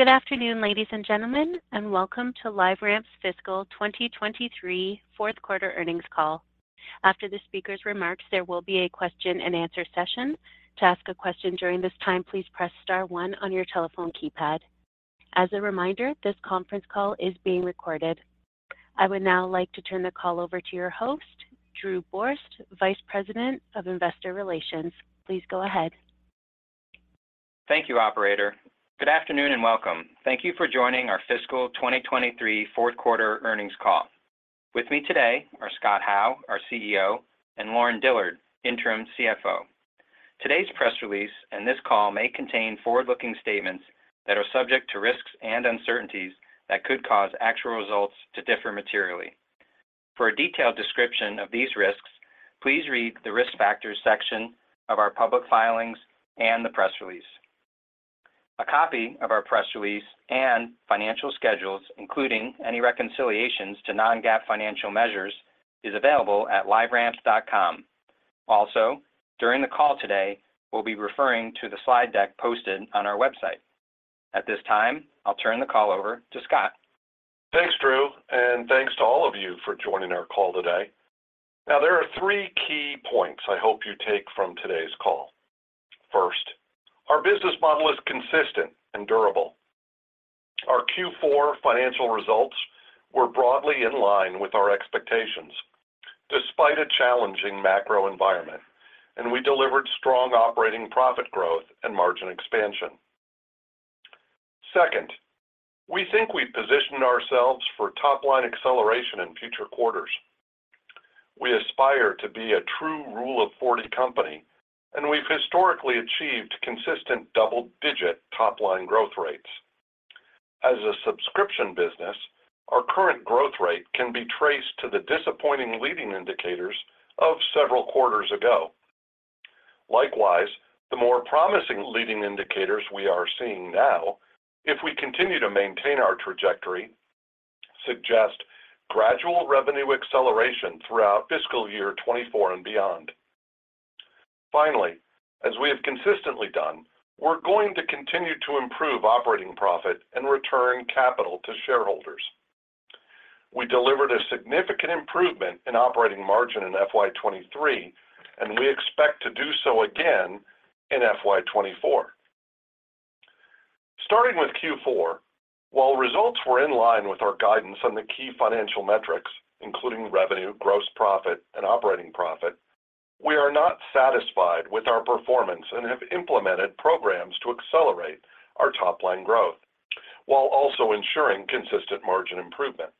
Good afternoon, ladies and gentlemen, and welcome to LiveRamp's fiscal 2023 fourth quarter earnings call. After the speaker's remarks, there will be a question and answer session. To ask a question during this time, please press star one on your telephone keypad. As a reminder, this conference call is being recorded. I would now like to turn the call over to your host, Drew Borst, Vice President of Investor Relations. Please go ahead. Thank you, operator. Good afternoon and welcome. Thank you for joining our fiscal 2023 fourth quarter earnings call. With me today are Scott Howe, our CEO, and Lauren Dillard, interim CFO. Today's press release and this call may contain forward-looking statements that are subject to risks and uncertainties that could cause actual results to differ materially. For a detailed description of these risks, please read the Risk Factors section of our public filings and the press release. A copy of our press release and financial schedules, including any reconciliations to non-GAAP financial measures, is available at liveramp.com. Also, during the call today, we'll be referring to the slide deck posted on our website. At this time, I'll turn the call over to Scott. Thanks, Drew, and thanks to all of you for joining our call today. There are three key points I hope you take from today's call. First, our business model is consistent and durable. Our Q4 financial results were broadly in line with our expectations despite a challenging macro environment, and we delivered strong operating profit growth and margin expansion. Second, we think we've positioned ourselves for top-line acceleration in future quarters. We aspire to be a true Rule of Forty company, and we've historically achieved consistent double-digit top-line growth rates. As a subscription business, our current growth rate can be traced to the disappointing leading indicators of several quarters ago. Likewise, the more promising leading indicators we are seeing now, if we continue to maintain our trajectory, suggest gradual revenue acceleration throughout fiscal year 2024 and beyond. Finally, as we have consistently done, we're going to continue to improve operating profit and return capital to shareholders. We delivered a significant improvement in operating margin in FY 2023, and we expect to do so again in FY 2024. Starting with Q4, while results were in line with our guidance on the key financial metrics, including revenue, gross profit, and operating profit, we are not satisfied with our performance and have implemented programs to accelerate our top line growth while also ensuring consistent margin improvement.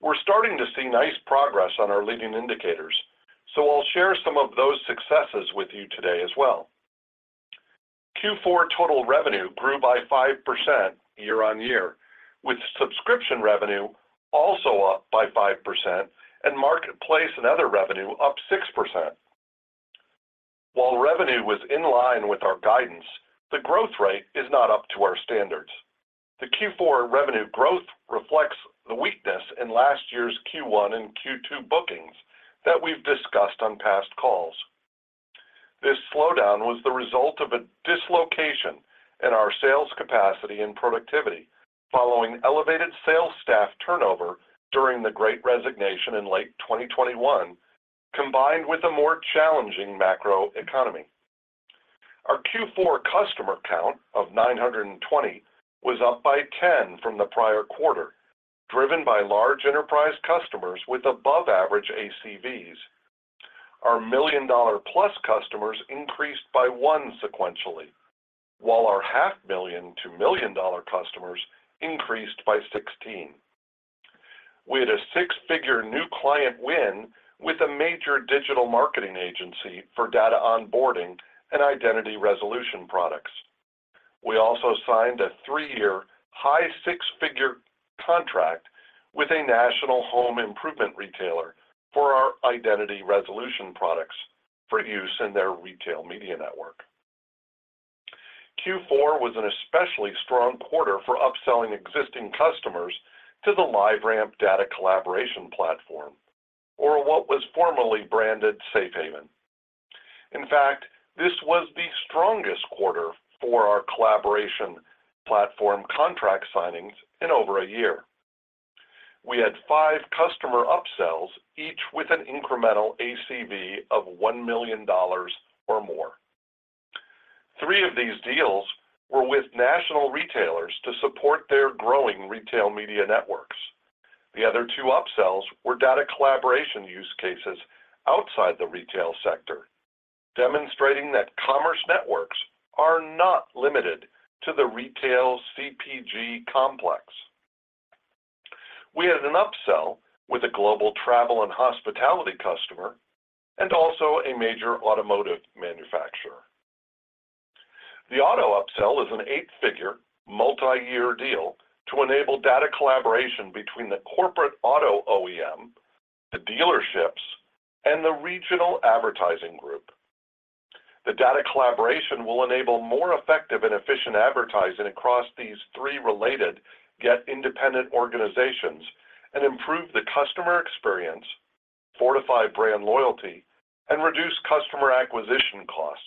We're starting to see nice progress on our leading indicators, so I'll share some of those successes with you today as well. Q4 total revenue grew by 5% year-over-year, with subscription revenue also up by 5% and marketplace and other revenue up 6%. While revenue was in line with our guidance, the growth rate is not up to our standards. The Q4 revenue growth reflects the weakness in last year's Q1 and Q2 bookings that we've discussed on past calls. This slowdown was the result of a dislocation in our sales capacity and productivity following elevated sales staff turnover during the great resignation in late 2021, combined with a more challenging macro economy. Our Q4 customer count of 920 was up by 10 from the prior quarter, driven by large enterprise customers with above average ACVs. Our $1 million-plus customers increased by one sequentially, while our half million to million-dollar customers increased by 16. We had a six-figure new client win with a major digital marketing agency for data onboarding and identity resolution products. We also signed a three-year high six-figure contract with a national home improvement retailer for our identity resolution products for use in their retail media network. Q4 was an especially strong quarter for upselling existing customers to the LiveRamp Data Collaboration Platform, or what was formerly branded Safe Haven. In fact, this was the strongest quarter for our collaboration platform contract signings in over a year. We had five customer upsells, each with an incremental ACV of $1 million or more. Three of these deals were with national retailers to support their growing retail media networks. The other two upsells were data collaboration use cases outside the retail sector, demonstrating that commerce networks are not limited to the retail CPG complex. We had an upsell with a global travel and hospitality customer and also a major automotive manufacturer. The auto upsell is an 8-figure, multi-year deal to enable data collaboration between the corporate auto OEM, the dealerships, and the regional advertising group. The data collaboration will enable more effective and efficient advertising across these three related yet independent organizations and improve the customer experience fortify brand loyalty, and reduce customer acquisition costs.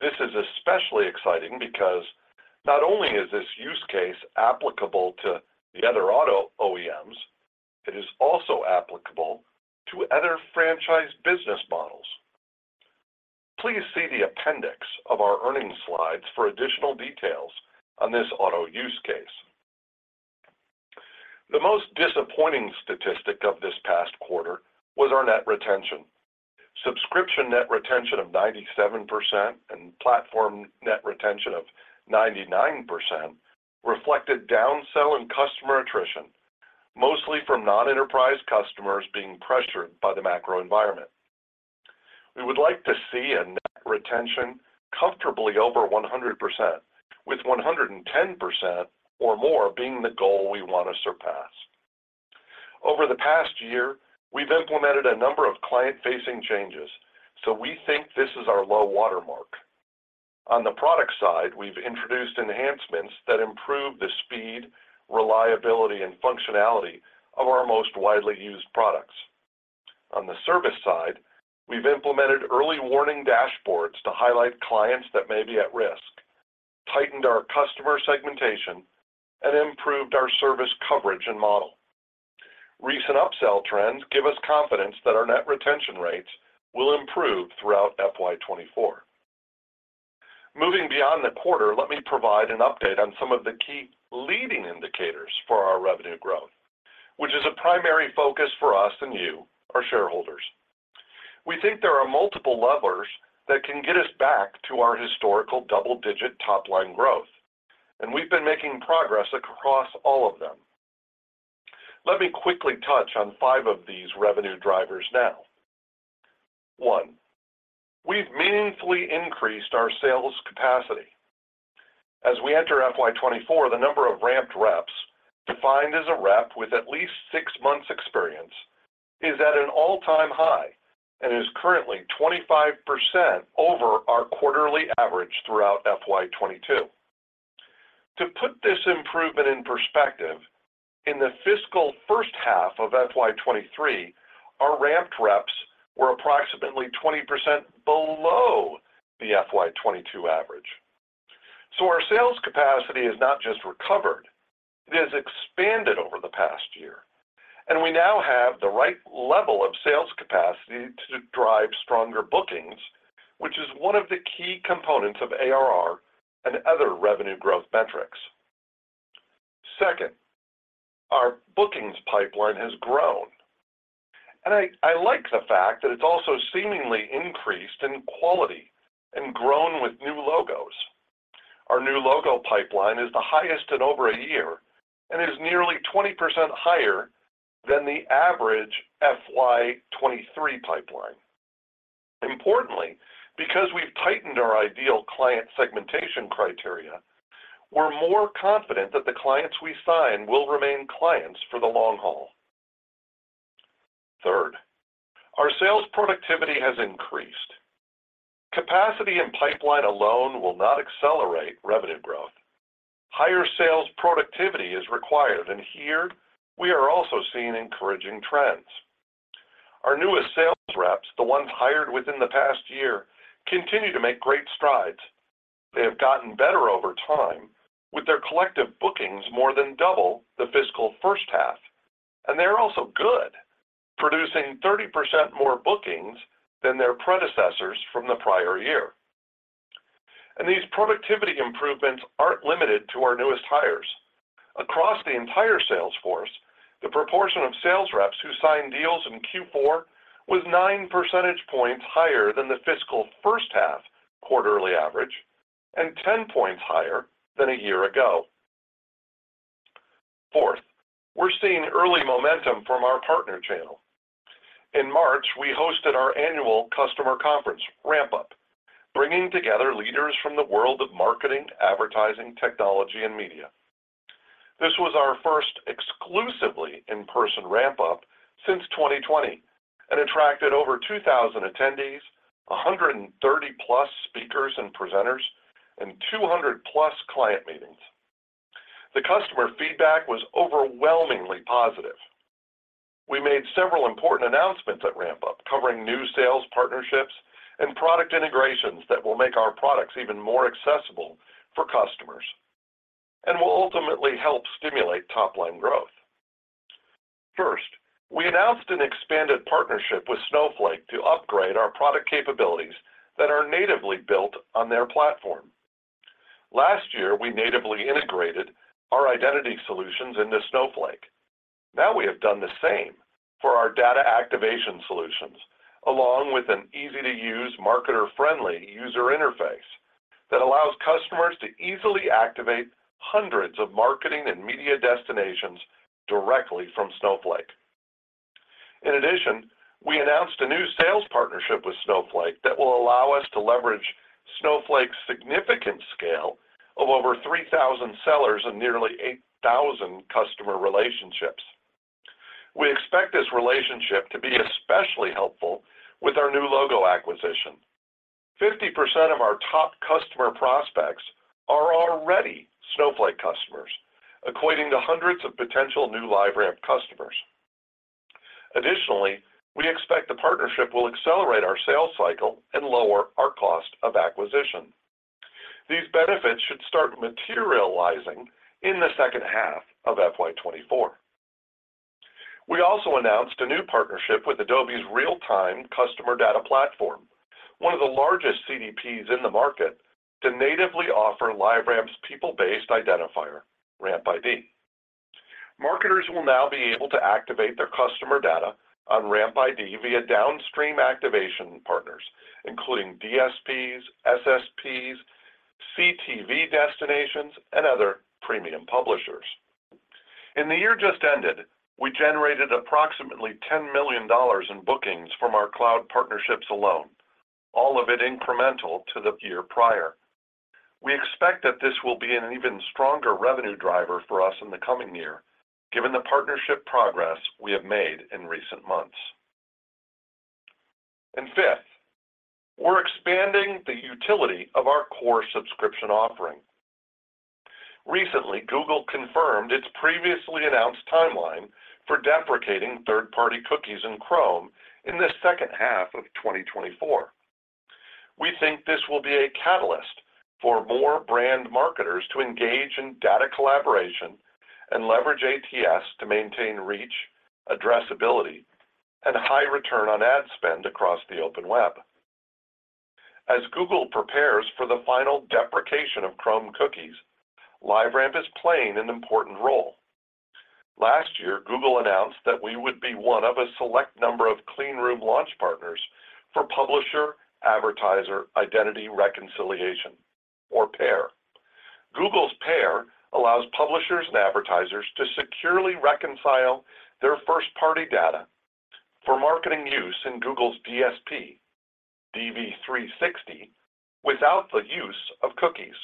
This is especially exciting because not only is this use case applicable to the other auto OEMs, it is also applicable to other franchise business models. Please see the appendix of our earnings slides for additional details on this auto use case. The most disappointing statistic of this past quarter was our net retention. Subscription net retention of 97% and platform net retention of 99% reflected downsell and customer attrition, mostly from non-enterprise customers being pressured by the macro environment. We would like to see a net retention comfortably over 100%, with 110% or more being the goal we want to surpass. Over the past year, we've implemented a number of client-facing changes, we think this is our low watermark. On the product side, we've introduced enhancements that improve the speed, reliability, and functionality of our most widely used products. On the service side, we've implemented early warning dashboards to highlight clients that may be at risk, tightened our customer segmentation, and improved our service coverage and model. Recent upsell trends give us confidence that our net retention rates will improve throughout FY 2024. Moving beyond the quarter, let me provide an update on some of the key leading indicators for our revenue growth, which is a primary focus for us and you, our shareholders. We think there are multiple levers that can get us back to our historical double-digit top-line growth, and we've been making progress across all of them. Let me quickly touch on five of these revenue drivers now. One, we've meaningfully increased our sales capacity. As we enter FY 2024, the number of ramped reps, defined as a rep with at least six months experience, is at an all-time high and is currently 25% over our quarterly average throughout FY 2022. To put this improvement in perspective, in the fiscal first half of FY 2023, our ramped reps were approximately 20% below the FY 2022 average. Our sales capacity has not just recovered, it has expanded over the past year, and we now have the right level of sales capacity to drive stronger bookings, which is one of the key components of ARR and other revenue growth metrics. Second, our bookings pipeline has grown. I like the fact that it's also seemingly increased in quality and grown with new logos. Our new logo pipeline is the highest in over a year and is nearly 20% higher than the average FY 2023 pipeline. Importantly, because we've tightened our ideal client segmentation criteria, we're more confident that the clients we sign will remain clients for the long haul. Third, our sales productivity has increased. Capacity and pipeline alone will not accelerate revenue growth. Higher sales productivity is required, and here we are also seeing encouraging trends. Our newest sales reps, the ones hired within the past year, continue to make great strides. They have gotten better over time with their collective bookings more than double the fiscal first half. They are also good, producing 30% more bookings than their predecessors from the prior year. These productivity improvements aren't limited to our newest hires. Across the entire sales force, the proportion of sales reps who signed deals in Q4 was 9 percentage points higher than the fiscal first half quarterly average and 10 points higher than a year ago. Fourth, we're seeing early momentum from our partner channel. In March, we hosted our annual customer conference, RampUp, bringing together leaders from the world of marketing, advertising, technology, and media. This was our first exclusively in-person RampUp since 2020 and attracted over 2,000 attendees, 130-plus speakers and presenters, and 200-plus client meetings. The customer feedback was overwhelmingly positive. We made several important announcements at RampUp, covering new sales partnerships and product integrations that will make our products even more accessible for customers and will ultimately help stimulate top-line growth. We announced an expanded partnership with Snowflake to upgrade our product capabilities that are natively built on their platform. Last year, we natively integrated our identity solutions into Snowflake. We have done the same for our data activation solutions, along with an easy-to-use, marketer-friendly user interface that allows customers to easily activate hundreds of marketing and media destinations directly from Snowflake. We announced a new sales partnership with Snowflake that will allow us to leverage Snowflake's significant scale of over 3,000 sellers and nearly 8,000 customer relationships. We expect this relationship to be especially helpful with our new logo acquisition. 50% of our top customer prospects are already Snowflake customers, equating to hundreds of potential new LiveRamp customers. We expect the partnership will accelerate our sales cycle and lower our cost of acquisition. These benefits should start materializing in the second half of FY 2024. We also announced a new partnership with Adobe's real-time customer data platform, one of the largest CDPs in the market, to natively offer LiveRamp's people-based identifier, RampID. Marketers will now be able to activate their customer data on RampID via downstream activation partners, including DSPs, SSPs, CTV destinations, and other premium publishers. In the year just ended, we generated approximately $10 million in bookings from our cloud partnerships alone, all of it incremental to the year prior. We expect that this will be an even stronger revenue driver for us in the coming year, given the partnership progress we have made in recent months. Fifth, we're expanding the utility of our core subscription offering. Recently, Google confirmed its previously announced timeline for deprecating third-party cookies in Chrome in the second half of 2024. We think this will be a catalyst for more brand marketers to engage in data collaboration and leverage ATS to maintain reach, addressability, and high return on ad spend across the open web. As Google prepares for the final deprecation of Chrome cookies, LiveRamp is playing an important role. Last year, Google announced that we would be one of a select number of clean room launch partners for Publisher Advertiser Identity Reconciliation, or PAIR. Google's PAIR allows publishers and advertisers to securely reconcile their first-party data for marketing use in Google's DSP, DV360, without the use of cookies.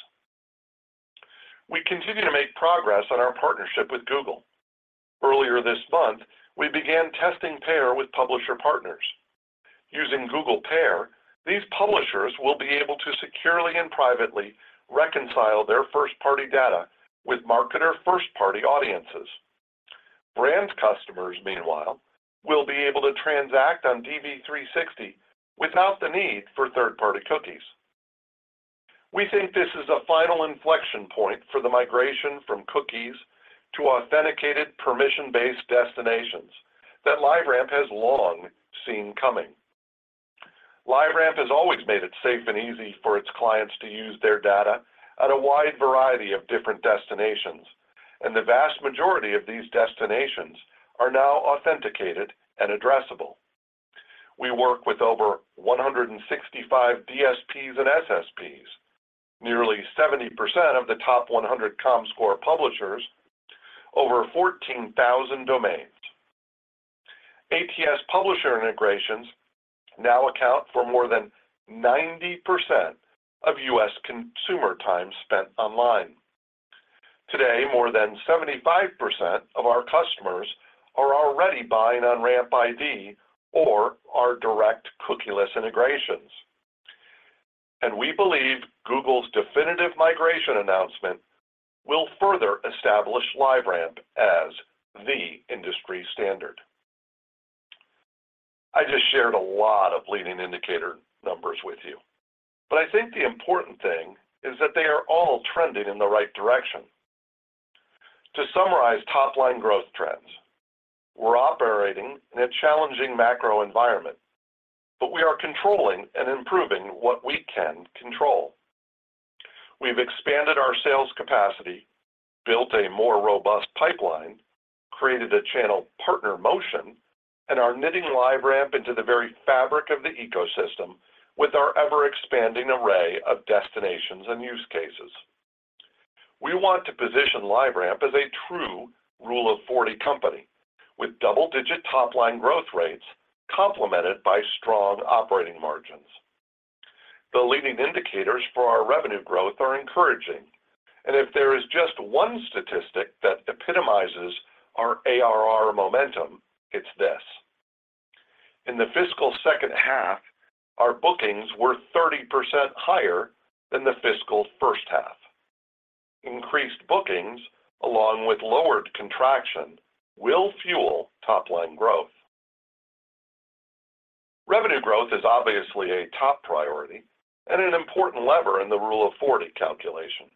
We continue to make progress on our partnership with Google. Earlier this month, we began testing PAIR with publisher partners. Using Google PAIR, these publishers will be able to securely and privately reconcile their first-party data with marketer first-party audiences. Brands customers, meanwhile, will be able to transact on DV360 without the need for third-party cookies. We think this is a final inflection point for the migration from cookies to authenticated permission-based destinations that LiveRamp has long seen coming. LiveRamp has always made it safe and easy for its clients to use their data at a wide variety of different destinations, and the vast majority of these destinations are now authenticated and addressable. We work with over 165 DSPs and SSPs, nearly 70% of the top 100 Comscore publishers, over 14,000 domains. ATS publisher integrations now account for more than 90% of U.S. consumer time spent online. Today, more than 75% of our customers are already buying on RampID or our direct cookieless integrations. We believe Google's definitive migration announcement will further establish LiveRamp as the industry standard. I just shared a lot of leading indicator numbers with you. I think the important thing is that they are all trending in the right direction. To summarize top-line growth trends, we're operating in a challenging macro environment. We are controlling and improving what we can control. We've expanded our sales capacity, built a more robust pipeline, created a channel partner motion, and are knitting LiveRamp into the very fabric of the ecosystem with our ever-expanding array of destinations and use cases. We want to position LiveRamp as a true Rule of Forty company with double-digit top-line growth rates complemented by strong operating margins. The leading indicators for our revenue growth are encouraging, and if there is just one statistic that epitomizes our ARR momentum, it's this. In the fiscal second half, our bookings were 30% higher than the fiscal first half. Increased bookings, along with lowered contraction, will fuel top-line growth. Revenue growth is obviously a top priority and an important lever in the Rule of Forty calculation,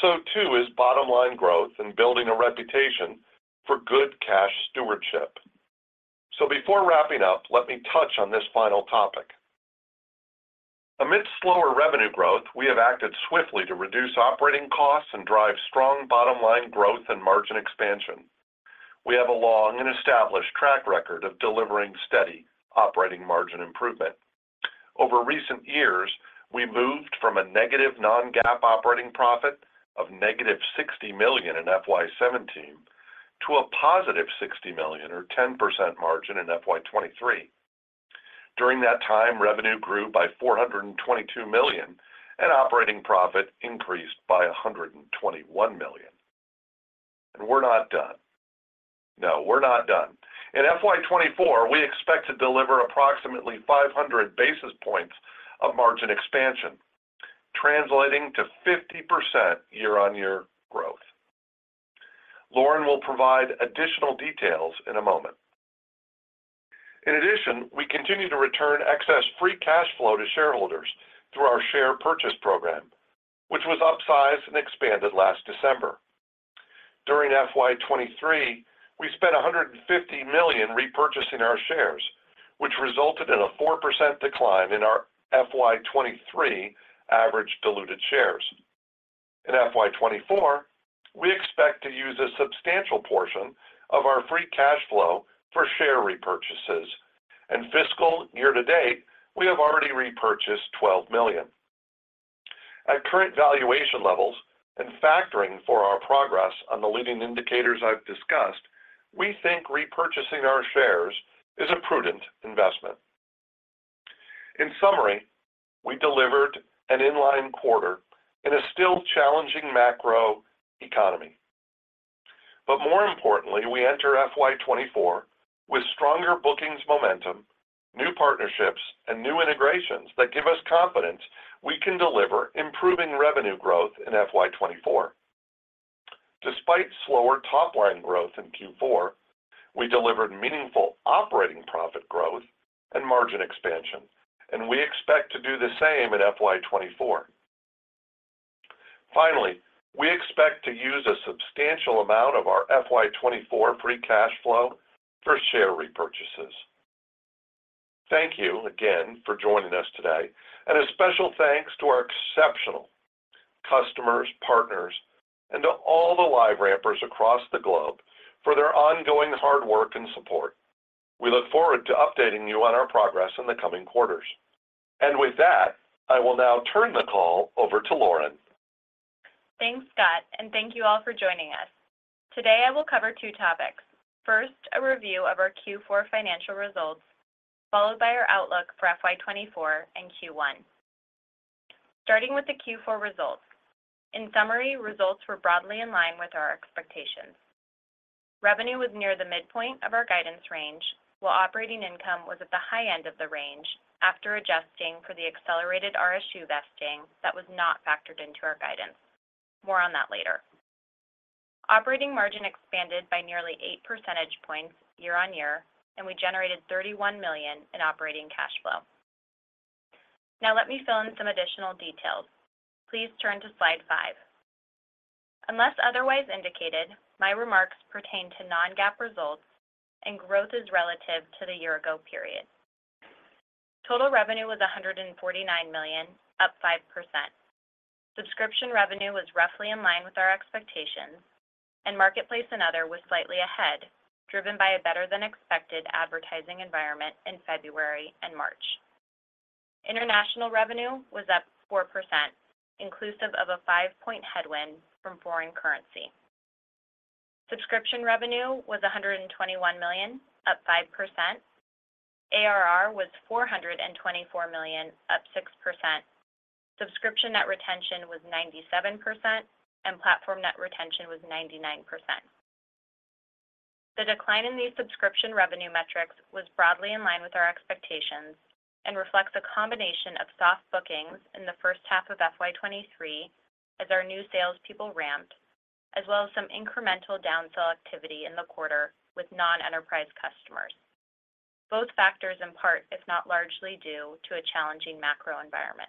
so too is bottom line growth and building a reputation for good cash stewardship. Before wrapping up, let me touch on this final topic. Amidst slower revenue growth, we have acted swiftly to reduce operating costs and drive strong bottom line growth and margin expansion. We have a long and established track record of delivering steady operating margin improvement. Over recent years, we moved from a negative non-GAAP operating profit of -$60 million in FY 2017 to a positive $60 million or 10% margin in FY 2023. During that time, revenue grew by $422 million, operating profit increased by $121 million. We're not done. No, we're not done. In FY 2024, we expect to deliver approximately 500 basis points of margin expansion, translating to 50% year-on-year growth. Lauren will provide additional details in a moment. In addition, we continue to return excess free cash flow to shareholders through our share purchase program, which was upsized and expanded last December. During FY 2023, we spent $150 million repurchasing our shares, which resulted in a 4% decline in our FY 2023 average diluted shares. In FY 2024, we expect to use a substantial portion of our free cash flow for share repurchases. Fiscal year to date, we have already repurchased $12 million. At current valuation levels and factoring for our progress on the leading indicators I've discussed, we think repurchasing our shares is a prudent investment. In summary, we delivered an in-line quarter in a still challenging macro economy. More importantly, we enter FY 2024 with stronger bookings momentum, new partnerships, and new integrations that give us confidence we can deliver improving revenue growth in FY 2024. Despite slower top-line growth in Q4, we delivered meaningful operating profit growth and margin expansion, and we expect to do the same in FY 2024. Finally, we expect to use a substantial amount of our FY 2024 free cash flow for share repurchases. Thank you again for joining us today, and a special thanks to our exceptional customers, partners, and to all the LiveRampers across the globe for their ongoing hard work and support. We look forward to updating you on our progress in the coming quarters. With that, I will now turn the call over to Lauren. Thanks, Scott, thank you all for joining us. Today, I will cover two topics. First, a review of our Q4 financial results, followed by our outlook for FY 2024 and Q1. Starting with the Q4 results. In summary, results were broadly in line with our expectations. Revenue was near the midpoint of our guidance range, while operating income was at the high end of the range after adjusting for the accelerated RSU vesting that was not factored into our guidance. More on that later. Operating margin expanded by nearly 8 percentage points year-over-year, we generated $31 million in operating cash flow. Let me fill in some additional details. Please turn to slide five. Unless otherwise indicated, my remarks pertain to non-GAAP results and growth is relative to the year-ago period. Total revenue was $149 million, up 5%. Subscription revenue was roughly in line with our expectations, and marketplace and other was slightly ahead, driven by a better than expected advertising environment in February and March. International revenue was up 4%, inclusive of a 5-point headwind from foreign currency. Subscription revenue was $121 million, up 5%. ARR was $424 million, up 6%. Subscription net retention was 97%, and platform net retention was 99%. The decline in these subscription revenue metrics was broadly in line with our expectations and reflects a combination of soft bookings in the first half of FY 2023 as our new salespeople ramped, as well as some incremental down-sell activity in the quarter with non-enterprise customers. Both factors in part, if not largely due, to a challenging macro environment.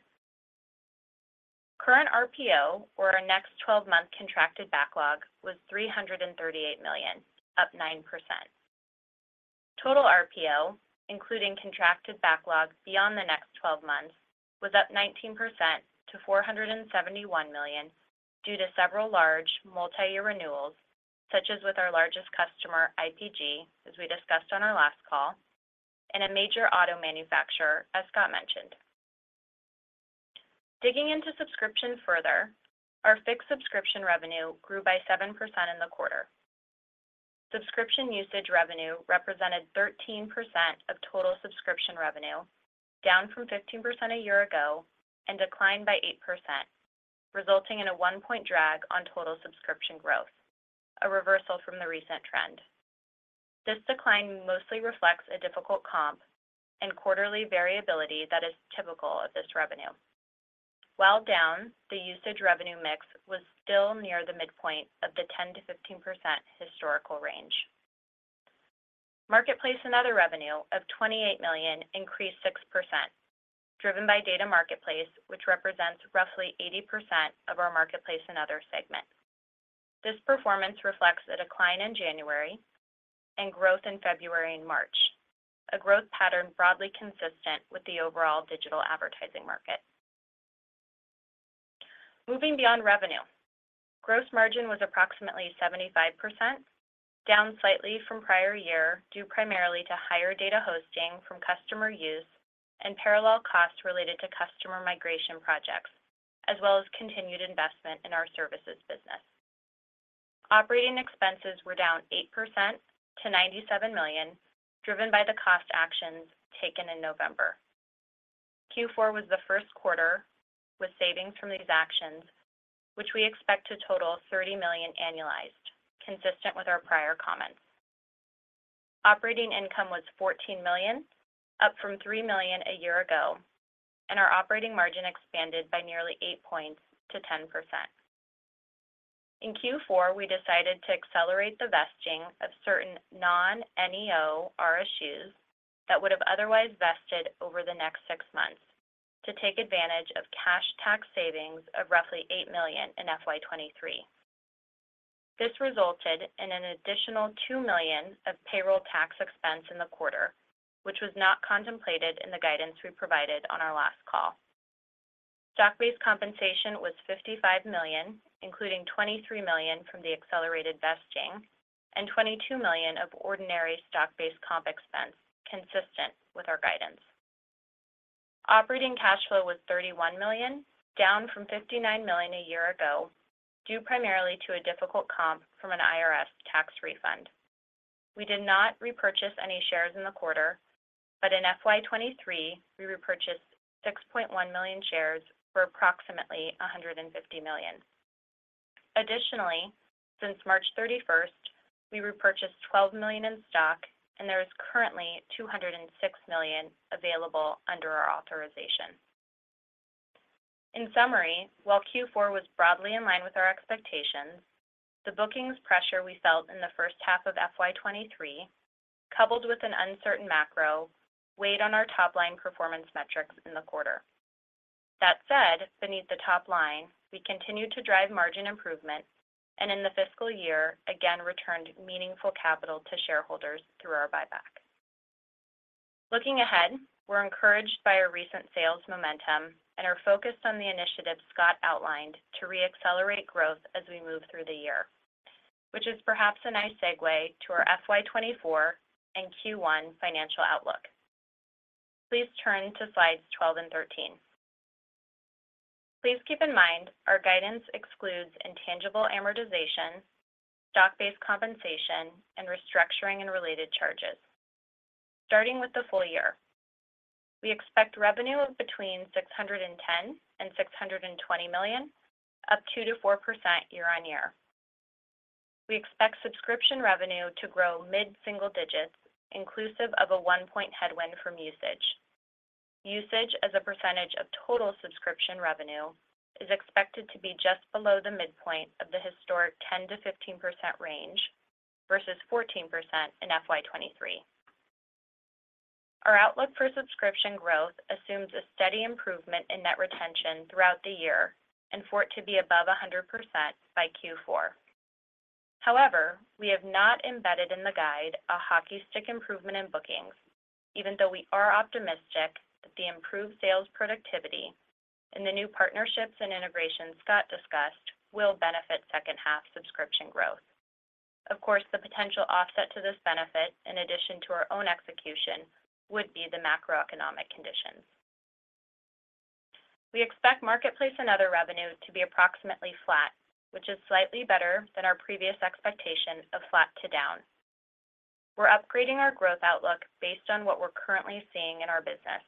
Current RPO, or our next 12-month contracted backlog, was $338 million, up 9%. Total RPO, including contracted backlog beyond the next 12 months, was up 19% to $471 million due to several large multi-year renewals, such as with our largest customer, IPG, as we discussed on our last call, and a major auto manufacturer, as Scott mentioned. Digging into subscription further, our fixed subscription revenue grew by 7% in the quarter. Subscription usage revenue represented 13% of total subscription revenue, down from 15% a year ago and declined by 8%, resulting in a one-point drag on total subscription growth, a reversal from the recent trend. This decline mostly reflects a difficult comp and quarterly variability that is typical of this revenue. While down, the usage revenue mix was still near the midpoint of the 10%-15% historical range. Marketplace and other revenue of $28 million increased 6%, driven by Data Marketplace, which represents roughly 80% of our marketplace and other segment. This performance reflects a decline in January and growth in February and March, a growth pattern broadly consistent with the overall digital advertising market. Moving beyond revenue. Gross margin was approximately 75%, down slightly from prior year, due primarily to higher data hosting from customer use and parallel costs related to customer migration projects, as well as continued investment in our services business. Operating expenses were down 8% to $97 million, driven by the cost actions taken in November. Q4 was the first quarter with savings from these actions, which we expect to total $30 million annualized, consistent with our prior comments. Operating income was $14 million, up from $3 million a year ago. Our operating margin expanded by nearly eight points to 10%. In Q4, we decided to accelerate the vesting of certain non-NEO RSUs that would have otherwise vested over the next six months to take advantage of cash tax savings of roughly $8 million in FY 2023. This resulted in an additional $2 million of payroll tax expense in the quarter, which was not contemplated in the guidance we provided on our last call. Stock-based compensation was $55 million, including $23 million from the accelerated vesting and $22 million of ordinary stock-based comp expense, consistent with our guidance. Operating cash flow was $31 million, down from $59 million a year ago, due primarily to a difficult comp from an IRS tax refund. We did not repurchase any shares in the quarter, but in FY 2023 we repurchased 6.1 million shares for approximately $150 million. Additionally, since March 31st, we repurchased $12 million in stock and there is currently $206 million available under our authorization. In summary, while Q4 was broadly in line with our expectations, the bookings pressure we felt in the first half of FY 2023, coupled with an uncertain macro, weighed on our top-line performance metrics in the quarter. That said, beneath the top line, we continued to drive margin improvement and in the fiscal year again returned meaningful capital to shareholders through our buyback. Looking ahead, we're encouraged by our recent sales momentum and are focused on the initiatives Scott outlined to re-accelerate growth as we move through the year, which is perhaps a nice segue to our FY 2024 and Q1 financial outlook. Please turn to slides 12 and 13. Please keep in mind our guidance excludes intangible amortization, stock-based compensation, and restructuring and related charges. Starting with the full year, we expect revenue of between $610 million and $620 million, up 2%-4% year-on-year. We expect subscription revenue to grow mid-single digits, inclusive of a one-point headwind from usage. Usage as a percentage of total subscription revenue is expected to be just below the midpoint of the historic 10%-15% range versus 14% in FY 2023. Our outlook for subscription growth assumes a steady improvement in net retention throughout the year and for it to be above 100% by Q4. We have not embedded in the guide a hockey stick improvement in bookings, even though we are optimistic that the improved sales productivity and the new partnerships and integrations Scott discussed will benefit second half subscription growth. The potential offset to this benefit, in addition to our own execution, would be the macroeconomic conditions. We expect marketplace and other revenue to be approximately flat, which is slightly better than our previous expectation of flat to down. We're upgrading our growth outlook based on what we're currently seeing in our business.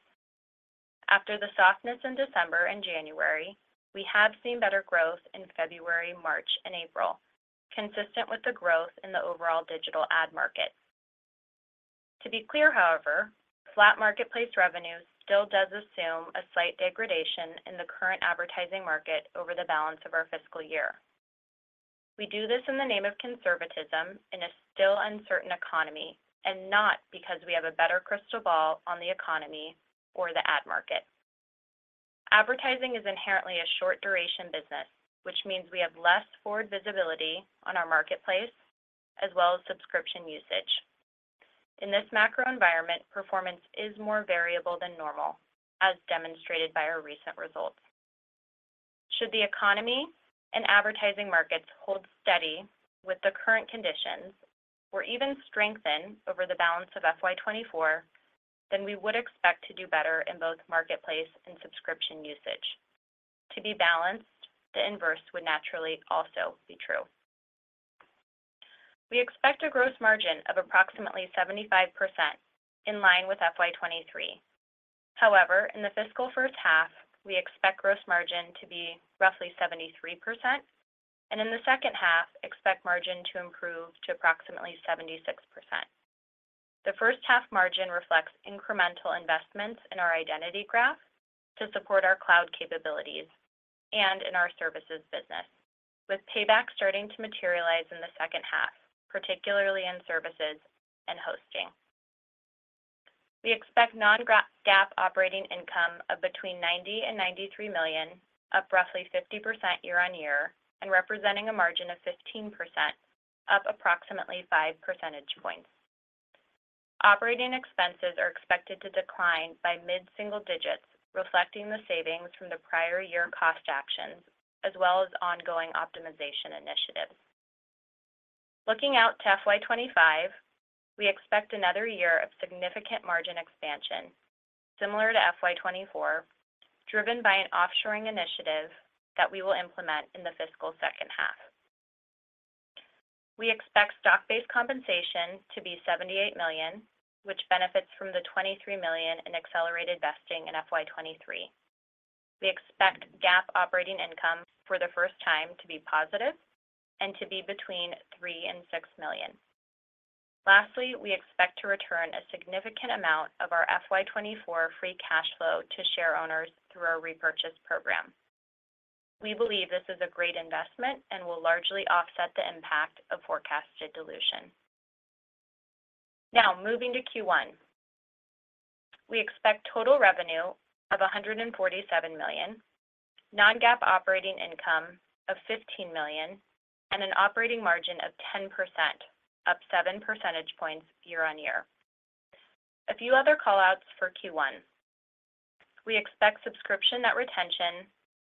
After the softness in December and January, we have seen better growth in February, March and April, consistent with the growth in the overall digital ad market. To be clear, however, flat marketplace revenue still does assume a slight degradation in the current advertising market over the balance of our fiscal year. We do this in the name of conservatism in a still uncertain economy. Not because we have a better crystal ball on the economy or the ad market. Advertising is inherently a short duration business, which means we have less forward visibility on our marketplace as well as subscription usage. In this macro environment, performance is more variable than normal, as demonstrated by our recent results. Should the economy and advertising markets hold steady with the current conditions or even strengthen over the balance of FY 2024, we would expect to do better in both marketplace and subscription usage. To be balanced, the inverse would naturally also be true. We expect a gross margin of approximately 75% in line with FY 2023. In the fiscal first half, we expect gross margin to be roughly 73%, and in the second half expect margin to improve to approximately 76%. The first half margin reflects incremental investments in our identity graph to support our cloud capabilities and in our services business. With payback starting to materialize in the second half, particularly in services and hosting. We expect non-GAAP operating income of between $90 million and $93 million, up roughly 50% year-on-year and representing a margin of 15%, up approximately 5 percentage points. Operating expenses are expected to decline by mid-single digits, reflecting the savings from the prior year cost actions, as well as ongoing optimization initiatives. Looking out to FY 2025, we expect another year of significant margin expansion similar to FY 2024, driven by an offshoring initiative that we will implement in the fiscal second half. We expect stock-based compensation to be $78 million, which benefits from the $23 million in accelerated vesting in FY 2023. We expect GAAP operating income for the first time to be positive and to be between $3 million and $6 million. Lastly, we expect to return a significant amount of our FY 2024 free cash flow to share owners through our repurchase program. We believe this is a great investment and will largely offset the impact of forecasted dilution. Moving to Q1. We expect total revenue of $147 million, non-GAAP operating income of $15 million, and an operating margin of 10%, up 7 percentage points year-on-year. A few other call-outs for Q1. We expect subscription net retention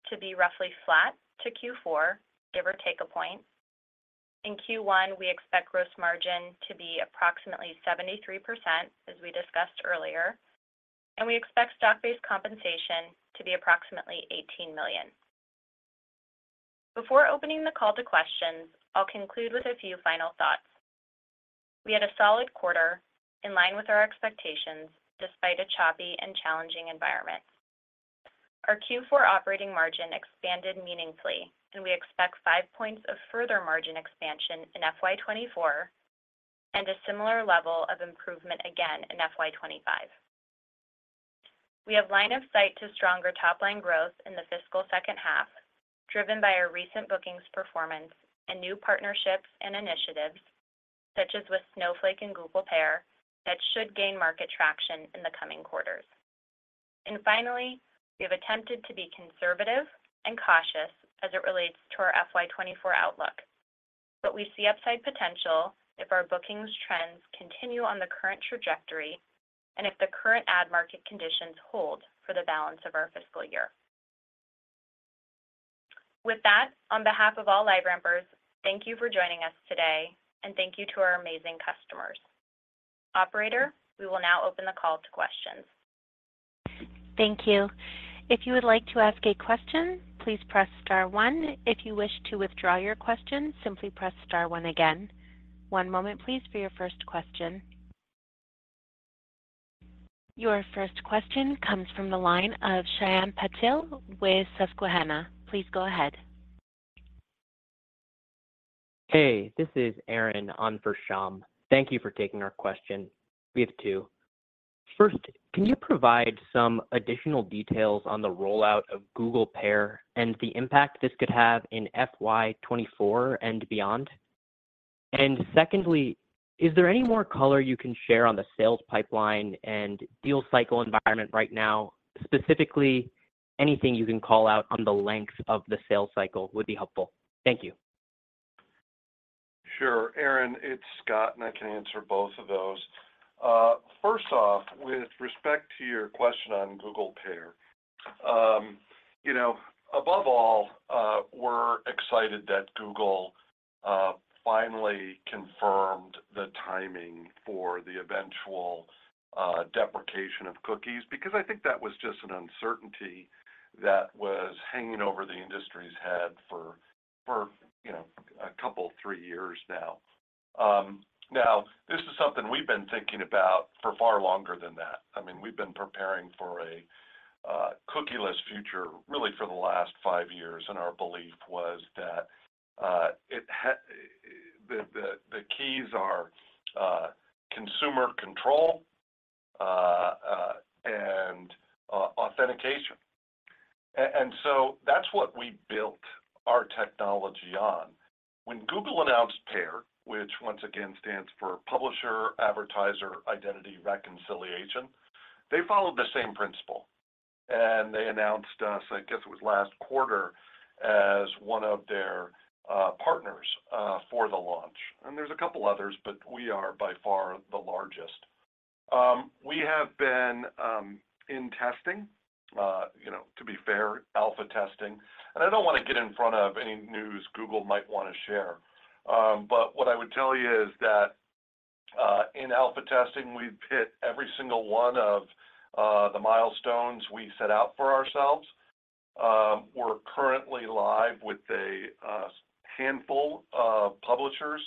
to be roughly flat to Q4, give or take a point. In Q1, we expect gross margin to be approximately 73%, as we discussed earlier. We expect stock-based compensation to be approximately $18 million. Before opening the call to questions, I'll conclude with a few final thoughts. We had a solid quarter in line with our expectations despite a choppy and challenging environment. Our Q4 operating margin expanded meaningfully. We expect five points of further margin expansion in FY 2024 and a similar level of improvement again in FY 2025. We have line of sight to stronger top-line growth in the fiscal second half, driven by our recent bookings performance and new partnerships and initiatives, such as with Snowflake and Google PAIR, that should gain market traction in the coming quarters. Finally, we have attempted to be conservative and cautious as it relates to our FY 2024 outlook. We see upside potential if our bookings trends continue on the current trajectory and if the current ad market conditions hold for the balance of our fiscal year. With that, on behalf of all LiveRampers, thank you for joining us today, and thank you to our amazing customers. Operator, we will now open the call to questions. Thank you. If you would like to ask a question, please press star one. If you wish to withdraw your question, simply press star one again. One moment please for your first question. Your first question comes from the line of Shyam Patil with Susquehanna. Please go ahead. Hey, this is Aaron on for Shyam. Thank you for taking our question. We have two. First, can you provide some additional details on the rollout of Google PAIR and the impact this could have in FY 2024 and beyond? Secondly, is there any more color you can share on the sales pipeline and deal cycle environment right now? Specifically, anything you can call out on the length of the sales cycle would be helpful. Thank you. Sure, Aaron, it's Scott, and I can answer both of those. First off, with respect to your question on Google PAIR, you know, above all, we're excited that Google finally confirmed the timing for the eventual deprecation of cookies, because I think that was just an uncertainty that was hanging over the industry's head for, you know, a couple, three years now. Now this is something we've been thinking about for far longer than that. I mean, we've been preparing for a cookieless future really for the last five years, and our belief was that, it the keys are consumer control and authentication. So that's what we built our technology on. When Google announced PAIR, which once again stands for Publisher Advertiser Identity Reconciliation, they followed the same principle, and they announced us, I guess it was last quarter, as one of their partners for the launch. There's a couple others, but we are by far the largest. We have been in testing, you know, to be fair, alpha testing, and I don't wanna get in front of any news Google might wanna share. What I would tell you is that in alpha testing, we've hit every single one of the milestones we set out for ourselves. We're currently live with a handful of publishers.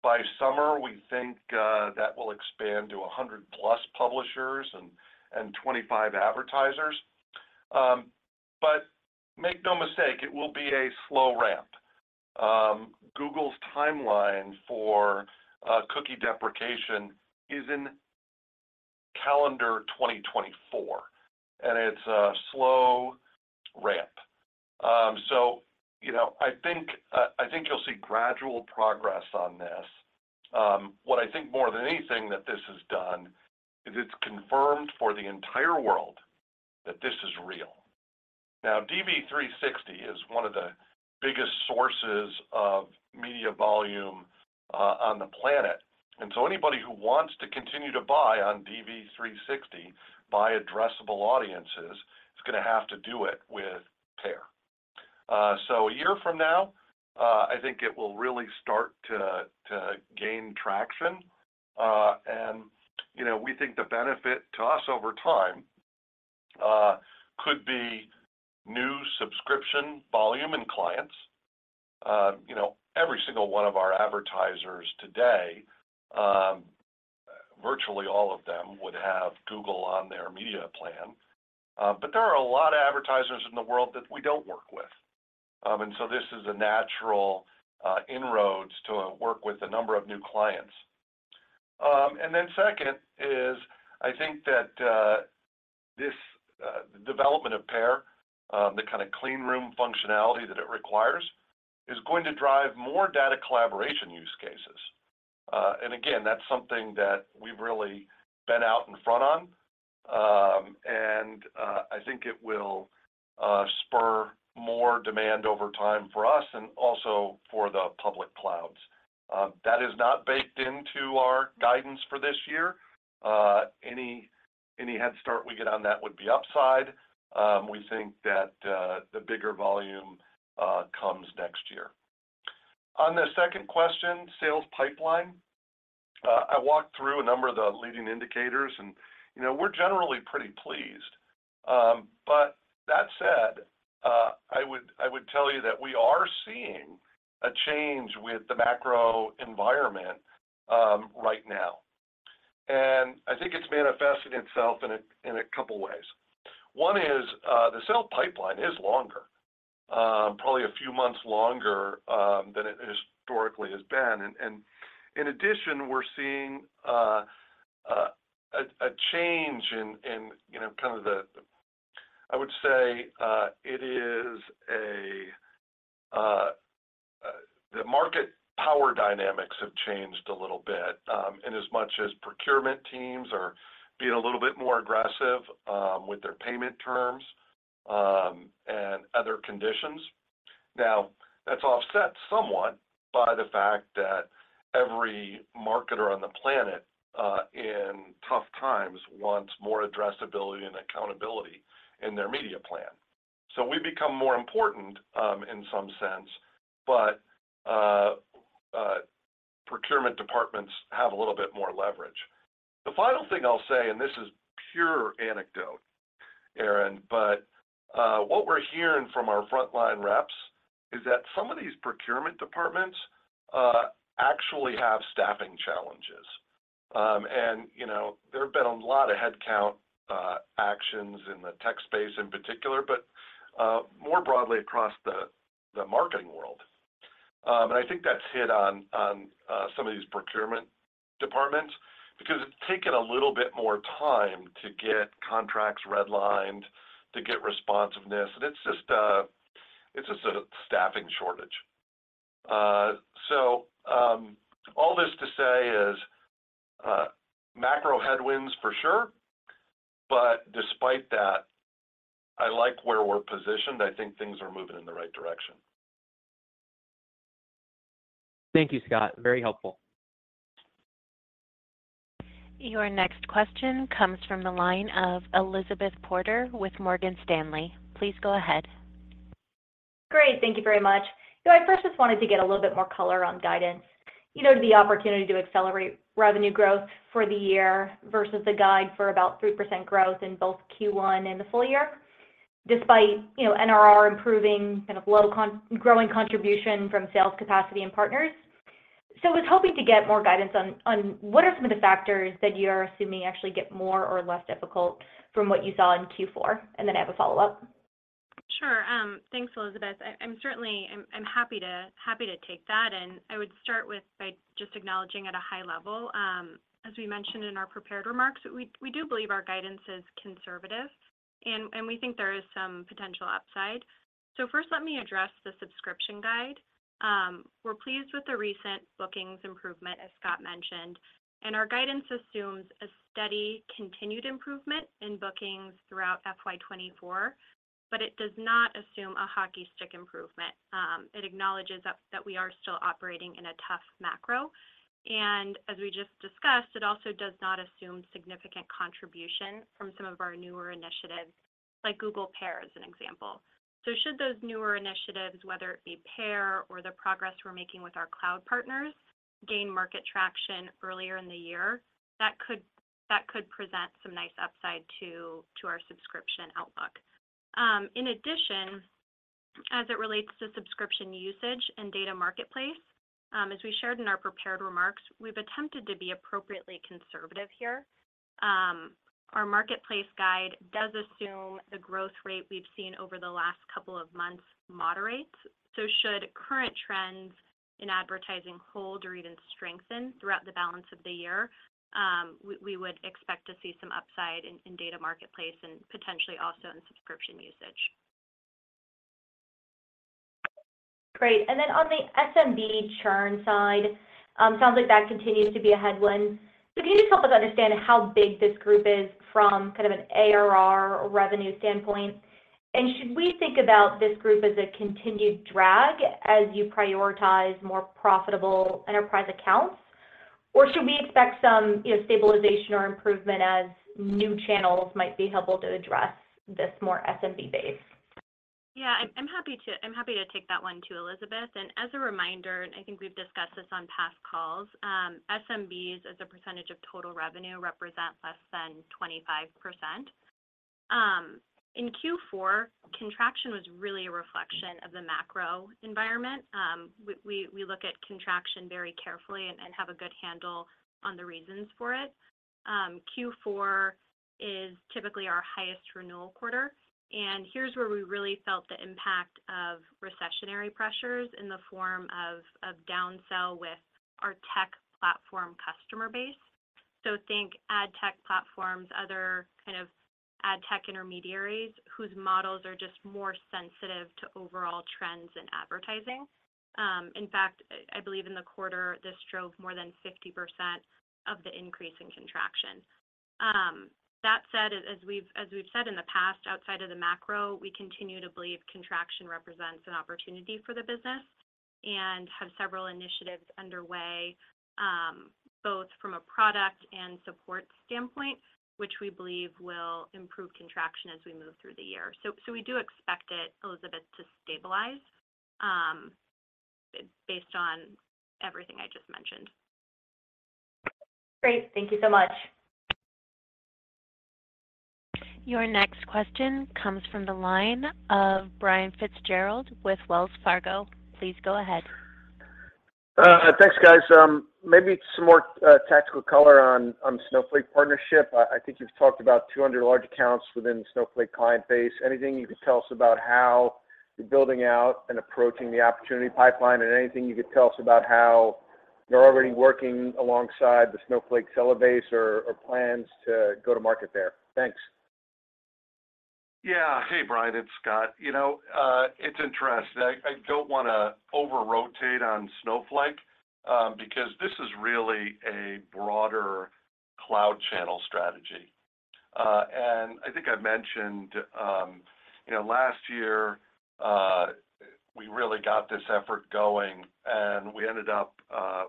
By summer, we think that will expand to 100-plus publishers and 25 advertisers. Make no mistake, it will be a slow ramp. Google's timeline for cookie deprecation is in calendar 2024, and it's a slow ramp. You know, I think I think you'll see gradual progress on this. What I think more than anything that this has done is it's confirmed for the entire world that this is real. Now, DV360 is one of the biggest sources of media volume on the planet. Anybody who wants to continue to buy on DV360 by addressable audiences is gonna have to do it with PAIR. A year from now, I think it will really start to gain traction. You know, we think the benefit to us over time could be new subscription volume in clients. You know, every single one of our advertisers today, virtually all of them would have Google on their media plan. There are a lot of advertisers in the world that we don't work with. This is a natural inroads to work with a number of new clients. Then second is I think that this development of PAIR, the kind of clean room functionality that it requires, is going to drive more data collaboration use cases. Again, that's something that we've really been out in front on. I think it will spur more demand over time for us and also for the public clouds. That is not baked into our guidance for this year. Any head start we get on that would be upside. We think that the bigger volume comes next year. On the second question, sales pipeline, I walked through a number of the leading indicators, and, you know, we're generally pretty pleased. But that said, I would tell you that we are seeing a change with the macro environment right now. I think it's manifested itself in two ways. One is, the sales pipeline is longer, probably a few months longer than it historically has been. In addition, we're seeing a change in, you know, I would say, it is a, the market power dynamics have changed a little bit, in as much as procurement teams are being a little bit more aggressive with their payment terms and other conditions. That's offset somewhat by the fact that every marketer on the planet, in tough times wants more addressability and accountability in their media plan. We become more important, in some sense, but procurement departments have a little bit more leverage. The final thing I'll say, and this is pure anecdote, Aaron, but what we're hearing from our frontline reps is that some of these procurement departments actually have staffing challenges. You know, there have been a lot of headcount actions in the tech space in particular, but more broadly across the marketing world. I think that's hit on some of these procurement departments because it's taken a little bit more time to get contracts red-lined, to get responsiveness, and it's just a staffing shortage. All this to say is, macro headwinds for sure, but despite that, I like where we're positioned. I think things are moving in the right direction. Thank you, Scott. Very helpful. Your next question comes from the line of Elizabeth Porter with Morgan Stanley. Please go ahead. Great. Thank you very much. I first just wanted to get a little bit more color on guidance, you know, the opportunity to accelerate revenue growth for the year versus the guide for about 3% growth in both Q1 and the full year, despite, you know, NRR improving kind of low growing contribution from sales capacity and partners. I was hoping to get more guidance on what are some of the factors that you are assuming actually get more or less difficult from what you saw in Q4? Then I have a follow-up. Sure. Thanks, Elizabeth. I'm certainly happy to take that. I would start with by just acknowledging at a high level, as we mentioned in our prepared remarks, we do believe our guidance is conservative and we think there is some potential upside. First let me address the subscription guide. We're pleased with the recent bookings improvement, as Scott mentioned, and our guidance assumes a steady continued improvement in bookings throughout FY 2024, but it does not assume a hockey stick improvement. It acknowledges that we are still operating in a tough macro. As we just discussed, it also does not assume significant contribution from some of our newer initiatives like Google PAIR as an example. Should those newer initiatives, whether it be PAIR or the progress we're making with our cloud partners, gain market traction earlier in the year, that could present some nice upside to our subscription outlook. In addition, as it relates to subscription usage and Data Marketplace, as we shared in our prepared remarks, we've attempted to be appropriately conservative here. Our marketplace guide does assume the growth rate we've seen over the last couple of months moderates. Should current trends in advertising hold or even strengthen throughout the balance of the year, we would expect to see some upside in Data Marketplace and potentially also in subscription usage. Great. Then on the SMB churn side, sounds like that continues to be a headwind. Can you just help us understand how big this group is from kind of an ARR revenue standpoint? Should we think about this group as a continued drag as you prioritize more profitable enterprise accounts? Should we expect some, you know, stabilization or improvement as new channels might be helpful to address this more SMB base? Yeah, I'm happy to take that one too, Elizabeth. As a reminder, and I think we've discussed this on past calls, SMBs as a percentage of total revenue represent less than 25%. In Q4, contraction was really a reflection of the macro environment. We look at contraction very carefully and have a good handle on the reasons for it. Q4 is typically our highest renewal quarter, and here's where we really felt the impact of recessionary pressures in the form of downsell with our tech platform customer base. Think ad tech platforms, other kind of ad tech intermediaries whose models are just more sensitive to overall trends in advertising. In fact, I believe in the quarter this drove more than 50% of the increase in contraction. That said, as we've said in the past, outside of the macro, we continue to believe contraction represents an opportunity for the business and have several initiatives underway, both from a product and support standpoint, which we believe will improve contraction as we move through the year. We do expect it, Elizabeth, to stabilize, based on everything I just mentioned. Great. Thank you so much. Your next question comes from the line of Brian Fitzgerald with Wells Fargo. Please go ahead. Thanks, guys. Maybe some more tactical color on Snowflake partnership. I think you've talked about 200 large accounts within the Snowflake client base. Anything you could tell us about how you're building out and approaching the opportunity pipeline, and anything you could tell us about how you're already working alongside the Snowflake seller base or plans to go to market there? Thanks. Yeah. Hey, Brian, it's Scott. You know, it's interesting. I don't wanna over-rotate on Snowflake because this is really a broader cloud channel strategy. I think I've mentioned, you know, last year, we really got this effort going, we ended up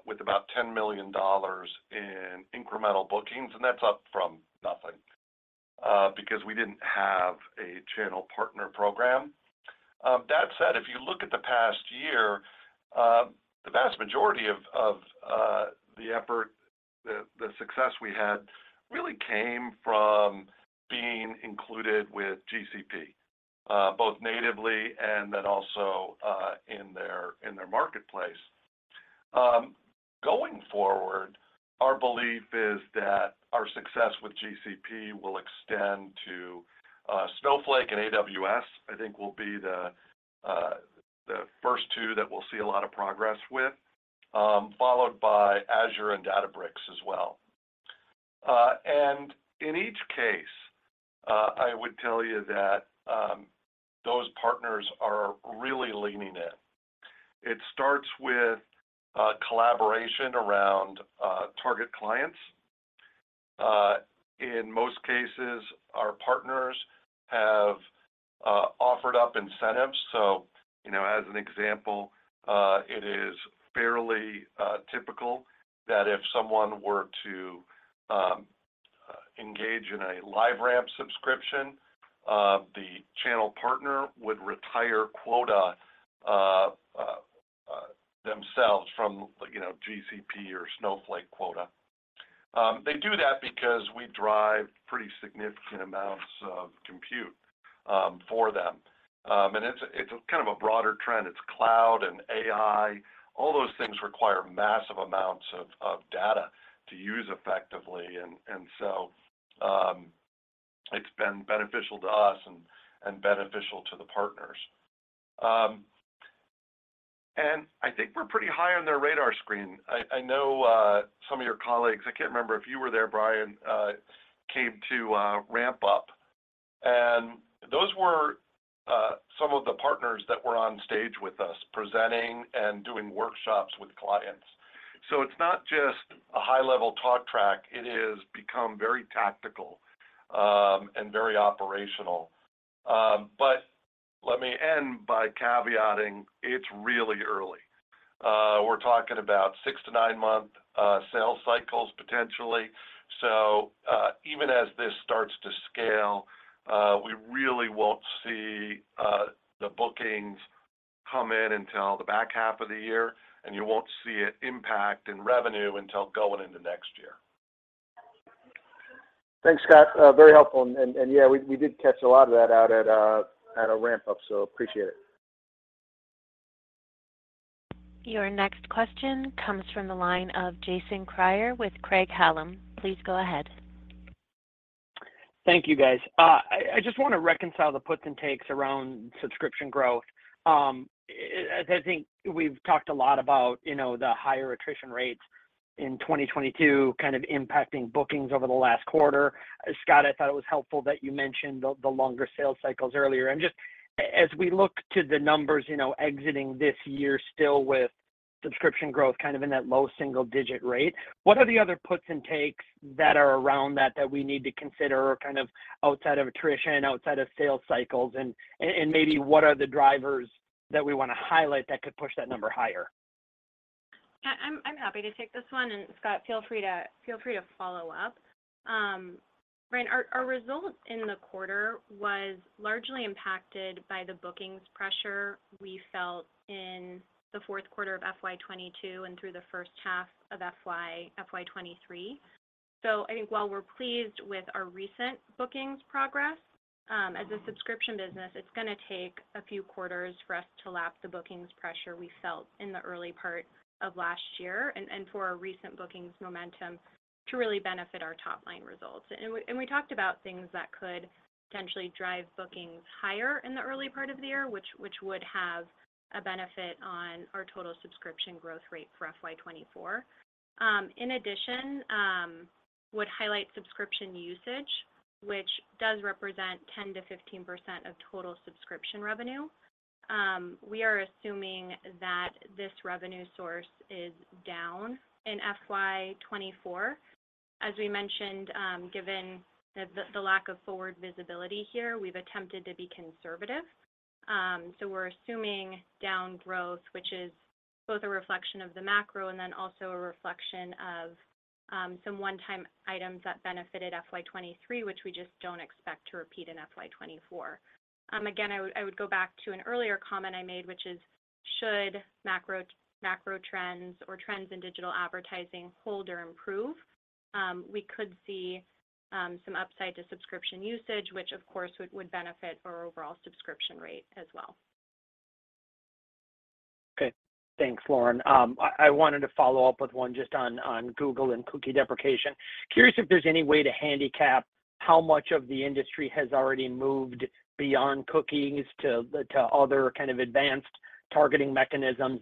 with about $10 million in incremental bookings, that's up from nothing because we didn't have a channel partner program. That said, if you look at the past year, the vast majority of the effort, the success we had really came from being included with GCP, both natively and then also in their marketplace. Going forward, our belief is that our success with GCP will extend to Snowflake and AWS, I think will be the first two that we'll see a lot of progress with, followed by Azure and Databricks as well. In each case, I would tell you that those partners are really leaning in. It starts with collaboration around target clients. In most cases, our partners have offered up incentives. You know, as an example, it is fairly typical that if someone were to engage in a LiveRamp subscription, the channel partner would retire quota themselves from, you know, GCP or Snowflake quota. They do that because we drive pretty significant amounts of compute for them. It's kind of a broader trend. It's cloud and AI. All those things require massive amounts of data to use effectively. It's been beneficial to us and beneficial to the partners. I think we're pretty high on their radar screen. I know, some of your colleagues, I can't remember if you were there, Brian, came to RampUp, and those were some of the partners that were on stage with us presenting and doing workshops with clients. It's not just a high-level talk track, it has become very tactical, and very operational. Let me end by caveating it's really early. We're talking about six to nine month sales cycles potentially. Even as this starts to scale, we really won't see the bookings come in until the back half of the year, and you won't see it impact in revenue until going into next year. Thanks, Scott. very helpful. Yeah, we did catch a lot of that out at our RampUp, so appreciate it. Your next question comes from the line of Jason Kreyer with Craig-Hallum. Please go ahead. Thank you, guys. I just wanna reconcile the puts and takes around subscription growth. As I think we've talked a lot about, you know, the higher attrition rates in 2022 kind of impacting bookings over the last quarter. Scott, I thought it was helpful that you mentioned the longer sales cycles earlier. Just as we look to the numbers, you know, exiting this year still with subscription growth kind of in that low single-digit rate, what are the other puts and takes that are around that that we need to consider kind of outside of attrition, outside of sales cycles? Maybe what are the drivers that we wanna highlight that could push that number higher? I'm happy to take this one, and Scott, feel free to follow up. Brian, our results in the quarter was largely impacted by the bookings pressure we felt in the fourth quarter of FY 2022 and through the first half of FY 2023. I think while we're pleased with our recent bookings progress, as a subscription business, it's gonna take a few quarters for us to lap the bookings pressure we felt in the early part of last year and for our recent bookings momentum to really benefit our top-line results. We talked about things that could potentially drive bookings higher in the early part of the year, which would have a benefit on our total subscription growth rate for FY 2024. In addition, would highlight subscription usage, which does represent 10%-15% of total subscription revenue. We are assuming that this revenue source is down in FY 2024. As we mentioned, given the lack of forward visibility here, we've attempted to be conservative. We're assuming down growth, which is both a reflection of the macro and also a reflection of some one-time items that benefited FY 2023, which we just don't expect to repeat in FY 2024. Again, I would go back to an earlier comment I made, which is should macro trends or trends in digital advertising hold or improve, we could see some upside to subscription usage, which of course would benefit our overall subscription rate as well. Okay. Thanks, Lauren. I wanted to follow up with one just on Google and cookie deprecation. Curious if there's any way to handicap how much of the industry has already moved beyond cookies to other kind of advanced targeting mechanisms.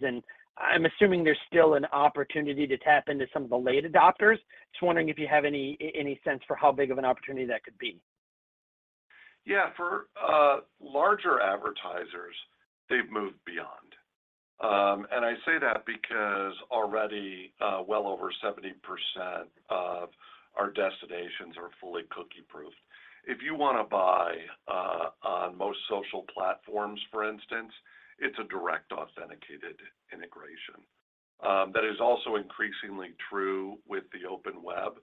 I'm assuming there's still an opportunity to tap into some of the late adopters. Just wondering if you have any sense for how big of an opportunity that could be. Yeah. For larger advertisers, they've moved beyond. I say that because already, well over 70% of our destinations are fully cookie-proof. If you wanna buy on most social platforms, for instance, it's a direct authenticated integration. That is also increasingly true with the open web.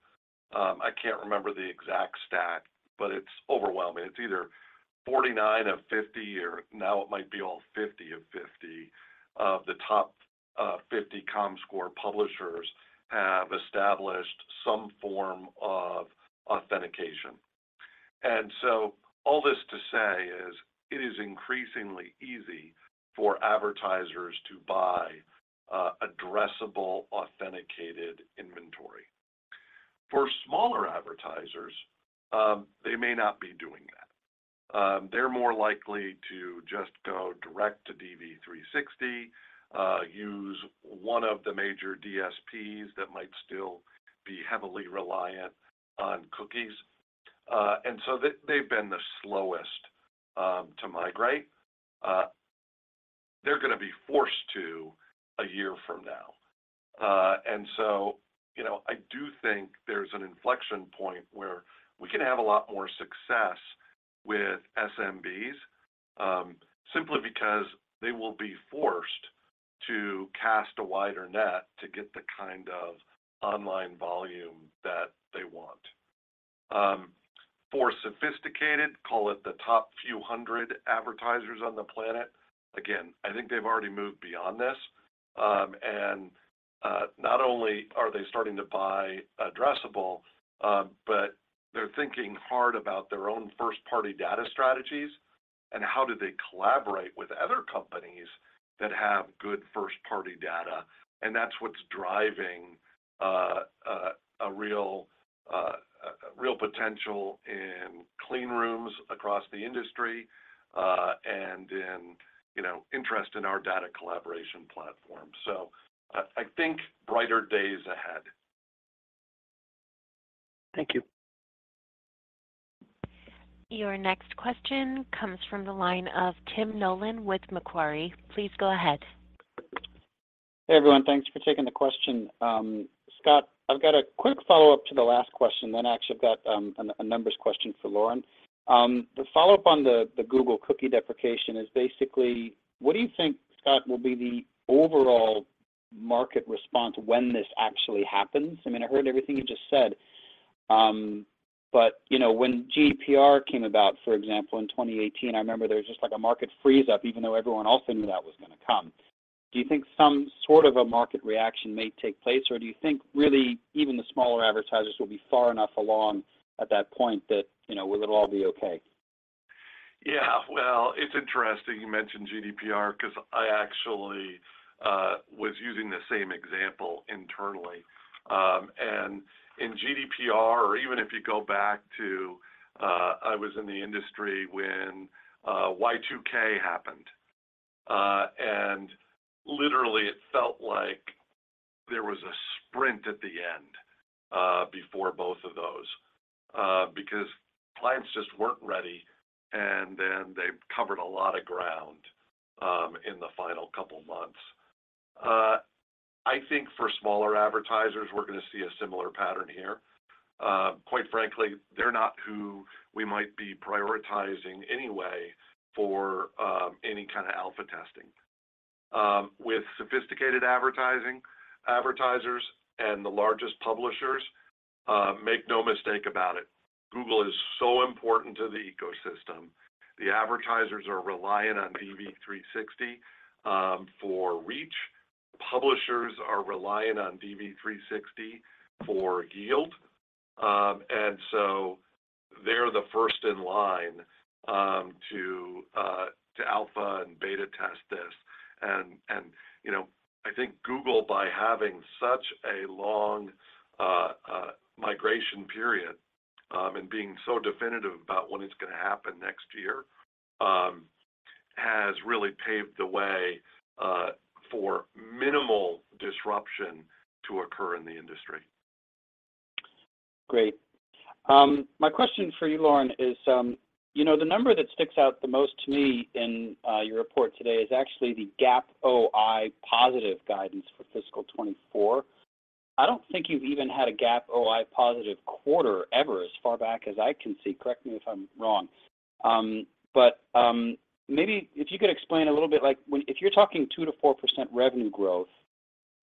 I can't remember the exact stat, but it's overwhelming. It's either 49 of 50, or now it might be all 50 of 50 of the top 50 Comscore publishers have established some form of authentication. All this to say is it is increasingly easy for advertisers to buy addressable, authenticated inventory. For smaller advertisers, they may not be doing that. They're more likely to just go direct to DV360, use one of the major DSPs that might still be heavily reliant on cookies. They've been the slowest to migrate. They're gonna be forced to one year from now. You know, I do think there's an inflection point where we can have a lot more success with SMBs, simply because they will be forced to cast a wider net to get the kind of online volume that they want. For sophisticated, call it the top few hundred advertisers on the planet, again, I think they've already moved beyond this. Not only are they starting to buy addressable, but they're thinking hard about their own first-party data strategies and how do they collaborate with other companies that have good first-party data. That's what's driving a real potential in clean rooms across the industry, and in, you know, interest in our Data Collaboration Platform. I think brighter days ahead. Thank you. Your next question comes from the line of Tim Nollen with Macquarie. Please go ahead. Hey, everyone. Thanks for taking the question. Scott, I've got a quick follow-up to the last question, then I actually have got a numbers question for Lauren. The follow-up on the Google cookie deprecation is basically what do you think, Scott, will be the overall market response when this actually happens? I mean, I heard everything you just said. You know, when GDPR came about, for example, in 2018, I remember there was just, like, a market freeze-up even though everyone else knew that was gonna come. Do you think some sort of a market reaction may take place, or do you think really even the smaller advertisers will be far enough along at that point that, you know, will it all be okay? Yeah. Well, it's interesting you mentioned GDPR 'cause I actually was using the same example internally. In GDPR, or even if you go back to, I was in the industry when Y2K happened, literally it felt like there was a sprint at the end before both of those, because clients just weren't ready, they covered a lot of ground in the final couple months. I think for smaller advertisers, we're gonna see a similar pattern here. Quite frankly, they're not who we might be prioritizing anyway for any kind of alpha testing. With sophisticated advertisers and the largest publishers, make no mistake about it, Google is so important to the ecosystem. The advertisers are reliant on DV360 for reach. Publishers are reliant on DV360 for yield. They're the first in line to alpha and beta test this. You know, I think Google, by having such a long migration period, and being so definitive about when it's gonna happen next year, has really paved the way for minimal disruption to occur in the industry. Great. My question for you, Lauren, is, you know, the number that sticks out the most to me in your report today is actually the GAAP OI positive guidance for fiscal 2024. I don't think you've even had a GAAP OI positive quarter ever as far back as I can see. Correct me if I'm wrong. Maybe if you could explain a little bit like if you're talking 2%-4% revenue growth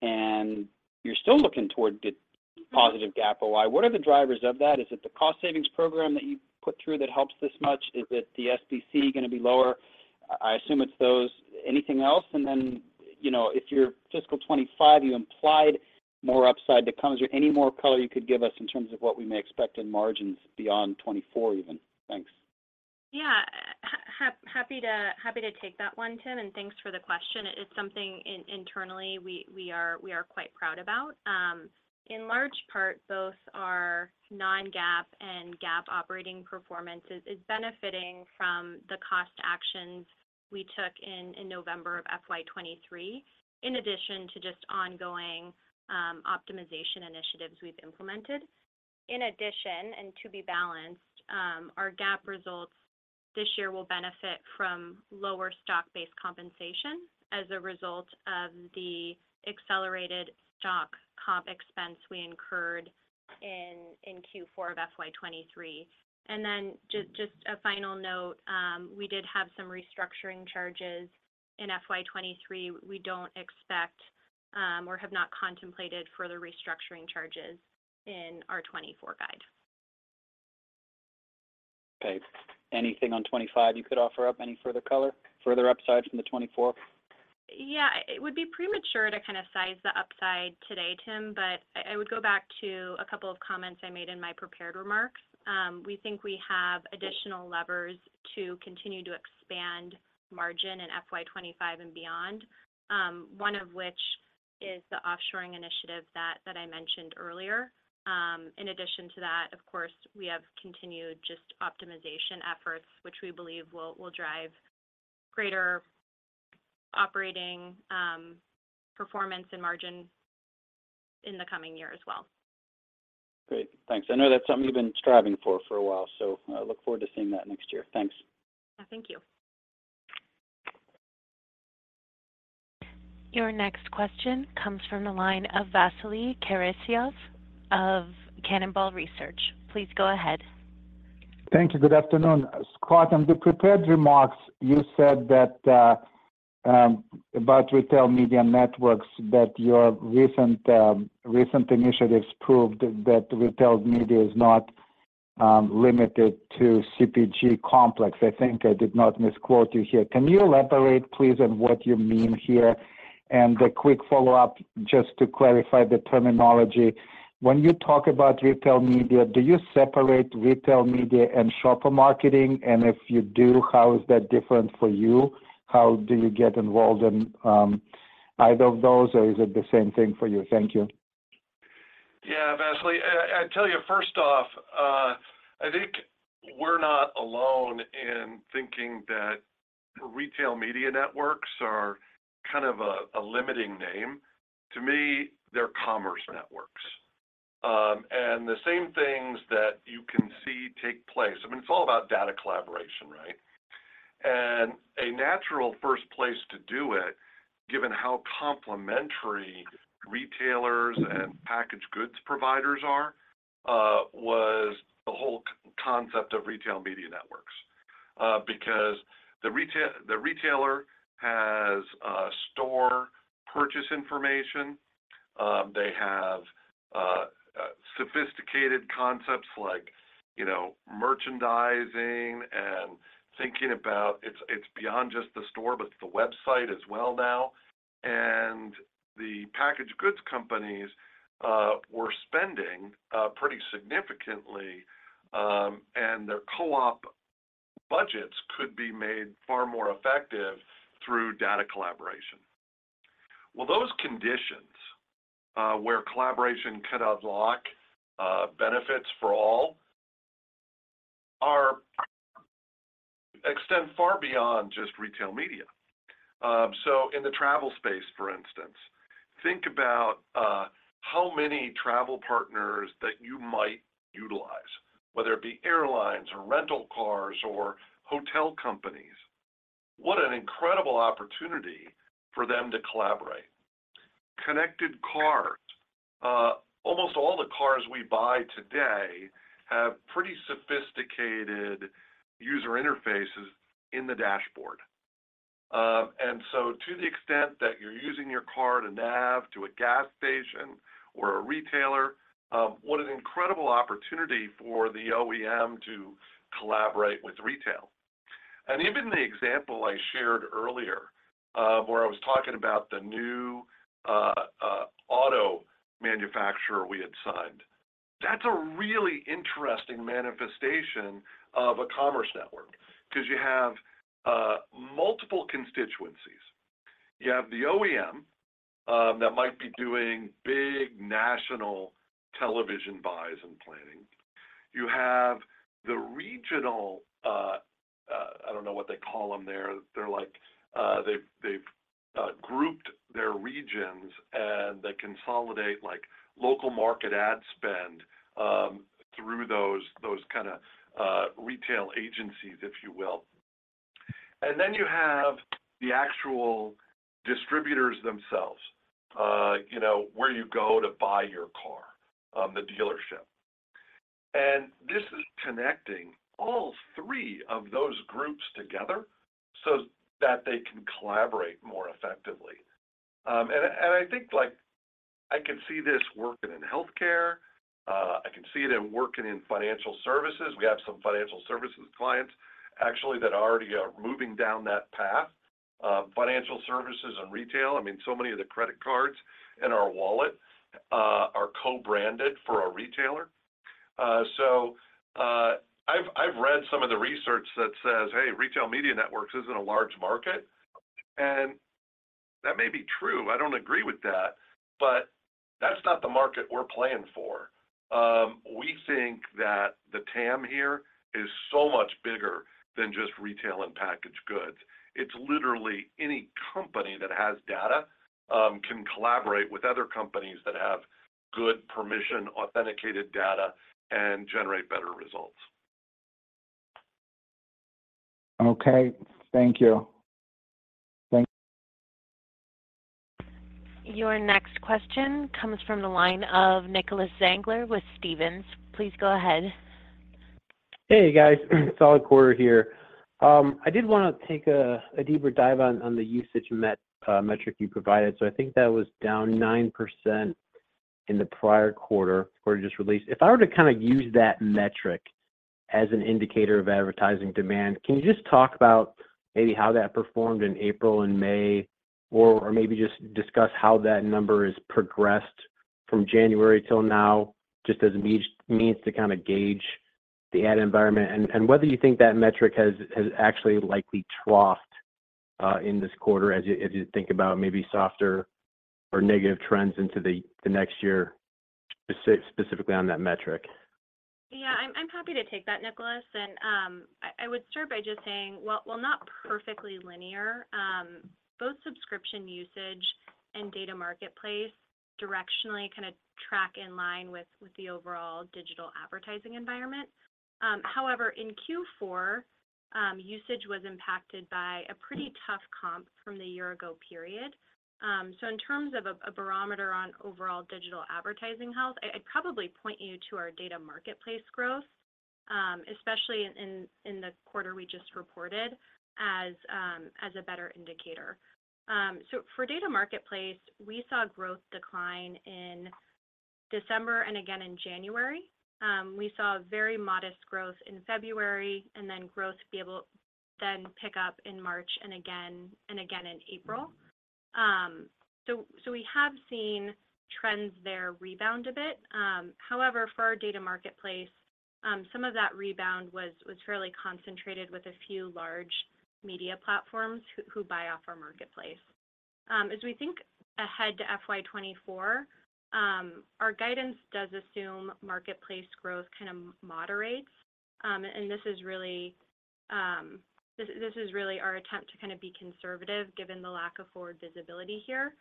and you're still looking toward the positive GAAP OI, what are the drivers of that? Is it the cost savings program that you put through that helps this much? Is it the SBC gonna be lower? I assume it's those. Anything else? You know, if your fiscal 2025, you implied more upside to come. Is there any more color you could give us in terms of what we may expect in margins beyond 2024 even? Thanks. Yeah. Happy to, happy to take that one, Tim, and thanks for the question. It is something internally, we are quite proud about. In large part, both our non-GAAP and GAAP operating performance is benefiting from the cost actions we took in November of FY 2023, in addition to just ongoing optimization initiatives we've implemented. In addition, and to be balanced, our GAAP results this year will benefit from lower stock-based compensation as a result of the accelerated stock comp expense we incurred in Q4 of FY 2023. Just a final note, we did have some restructuring charges in FY 2023. We don't expect or have not contemplated further restructuring charges in our 2024 guide. Okay. Anything on 2025 you could offer up? Any further color, further upside from the 2024? It would be premature to kind of size the upside today, Tim. I would go back to a couple of comments I made in my prepared remarks. We think we have additional levers to continue to expand margin in FY 2025 and beyond. One of which is the offshoring initiative that I mentioned earlier. In addition to that, of course, we have continued just optimization efforts, which we believe will drive greater operating performance and margin in the coming year as well. Great. Thanks. I know that's something you've been striving for a while, so I look forward to seeing that next year. Thanks. Thank you. Your next question comes from the line of Vasily Karasyov of Cannonball Research. Please go ahead. Thank you. Good afternoon. Scott, on the prepared remarks, you said that about retail media networks, that your recent recent initiatives proved that retail media is not limited to CPG complex. I think I did not misquote you here. Can you elaborate, please, on what you mean here? A quick follow-up, just to clarify the terminology, when you talk about retail media, do you separate retail media and shopper marketing? If you do, how is that different for you? How do you get involved in either of those, or is it the same thing for you? Thank you. Yeah, Vasily. I tell you, first off, I think we're not alone in thinking that retail media networks are kind of a limiting name. To me, they're commerce networks. The same things that you can see take place, I mean, it's all about data collaboration, right? A natural first place to do it, given how complementary retailers and packaged goods providers are, was the whole concept of retail media networks. Because the retailer has store purchase information. They have sophisticated concepts like, you know, merchandising and thinking about it's beyond just the store, but the website as well now. The packaged goods companies were spending pretty significantly, their co-op budgets could be made far more effective through data collaboration. Well, those conditions where collaboration can unlock benefits for all extend far beyond just retail media. In the travel space, for instance, think about how many travel partners that you might utilize, whether it be airlines or rental cars or hotel companies. What an incredible opportunity for them to collaborate. Connected cars. Almost all the cars we buy today have pretty sophisticated user interfaces in the dashboard. To the extent that you're using your car to nav to a gas station or a retailer, what an incredible opportunity for the OEM to collaborate with retail. Even the example I shared earlier, where I was talking about the new auto manufacturer we had signed, that's a really interesting manifestation of a commerce network because you have multiple constituencies. You have the OEM that might be doing big national television buys and planning. You have the regional, I don't know what they call them there. They're like, they've grouped their regions, and they consolidate, like, local market ad spend through those kinda retail agencies, if you will. You have the actual distributors themselves, you know, where you go to buy your car, the dealership. This is connecting all three of those groups together so that they can collaborate more effectively. I think, like, I can see this working in healthcare. I can see it working in financial services. We have some financial services clients actually that are already moving down that path, financial services and retail. I mean, so many of the credit cards in our wallet are co-branded for a retailer. I've read some of the research that says, "Hey, retail media networks isn't a large market." That may be true. I don't agree with that, but that's not the market we're playing for. We think that the TAM here is so much bigger than just retail and packaged goods. It's literally any company that has data can collaborate with other companies that have good permission, authenticated data, and generate better results. Okay. Thank you. Your next question comes from the line of Nicholas Zangler with Stephens. Please go ahead. Hey, guys. Solid quarter here. I did wanna take a deeper dive on the usage metric you provided. I think that was down 9% in the prior quarter just released. If I were to kind of use that metric as an indicator of advertising demand, can you just talk about maybe how that performed in April and May or maybe just discuss how that number has progressed from January till now, just as a means to kind of gauge the ad environment? And whether you think that metric has actually likely troughed in this quarter as you think about maybe softer or negative trends into the next year, specifically on that metric? Yeah. I'm happy to take that, Nicholas. I would start by just saying while not perfectly linear, both subscription usage and Data Marketplace directionally kind of track in line with the overall digital advertising environment. However, in Q4, usage was impacted by a pretty tough comp from the year ago period. In terms of a barometer on overall digital advertising health, I'd probably point you to our Data Marketplace growth, especially in the quarter we just reported as a better indicator. For Data Marketplace, we saw growth decline in December and again in January. We saw very modest growth in February and then pick up in March and again in April. We have seen trends there rebound a bit. However, for our Data Marketplace, some of that rebound was fairly concentrated with a few large media platforms who buy off our marketplace. As we think ahead to FY 2024, our guidance does assume marketplace growth kind of moderates. This is really our attempt to kind of be conservative given the lack of forward visibility here.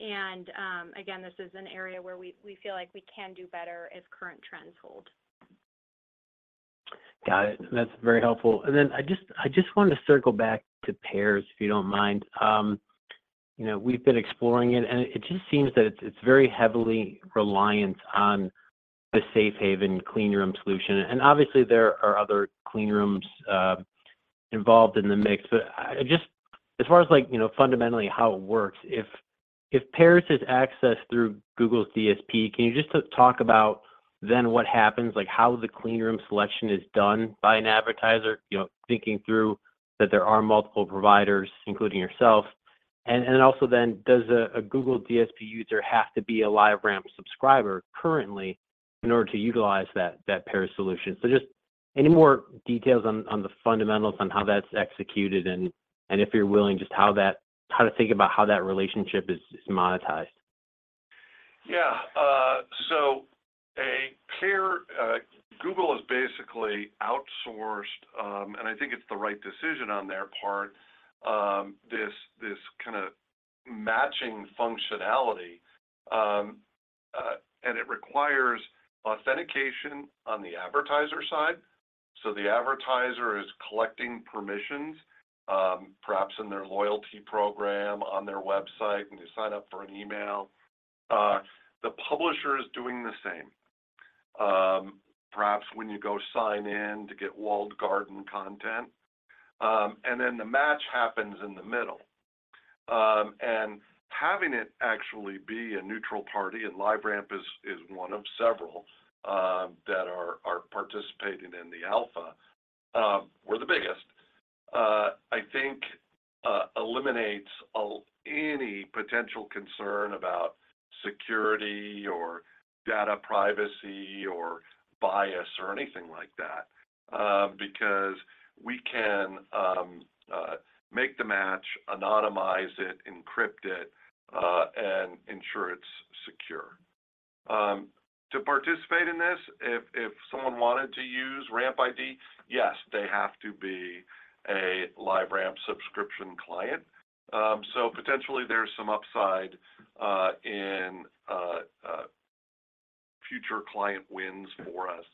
Again, this is an area where we feel like we can do better if current trends hold. Got it. That's very helpful. I just wanted to circle back to PAIR, if you don't mind. You know, we've been exploring it, and it just seems that it's very heavily reliant on the Safe Haven clean room solution. Obviously there are other clean rooms involved in the mix. Just as far as like, you know, fundamentally how it works, if PAIR is accessed through Google's DSP, can you just talk about then what happens? Like, how the clean room selection is done by an advertiser, you know, thinking through that there are multiple providers, including yourself. Also then does a Google DSP user have to be a LiveRamp subscriber currently in order to utilize that PAIR solution? Just any more details on the fundamentals on how that's executed and if you're willing, just how to think about how that relationship is monetized. Yeah. Google has basically outsourced, and I think it's the right decision on their part, matching functionality, and it requires authentication on the advertiser side. The advertiser is collecting permissions, perhaps in their loyalty program, on their website, when you sign up for an email. The publisher is doing the same, perhaps when you go sign in to get walled garden content. The match happens in the middle. Having it actually be a neutral party, and LiveRamp is one of several that are participating in the alpha, we're the biggest, I think, eliminates any potential concern about security or data privacy or bias or anything like that, because we can make the match, anonymize it, encrypt it, and ensure it's secure. To participate in this, if someone wanted to use RampID, yes, they have to be a LiveRamp subscription client. Potentially there's some upside in future client wins for us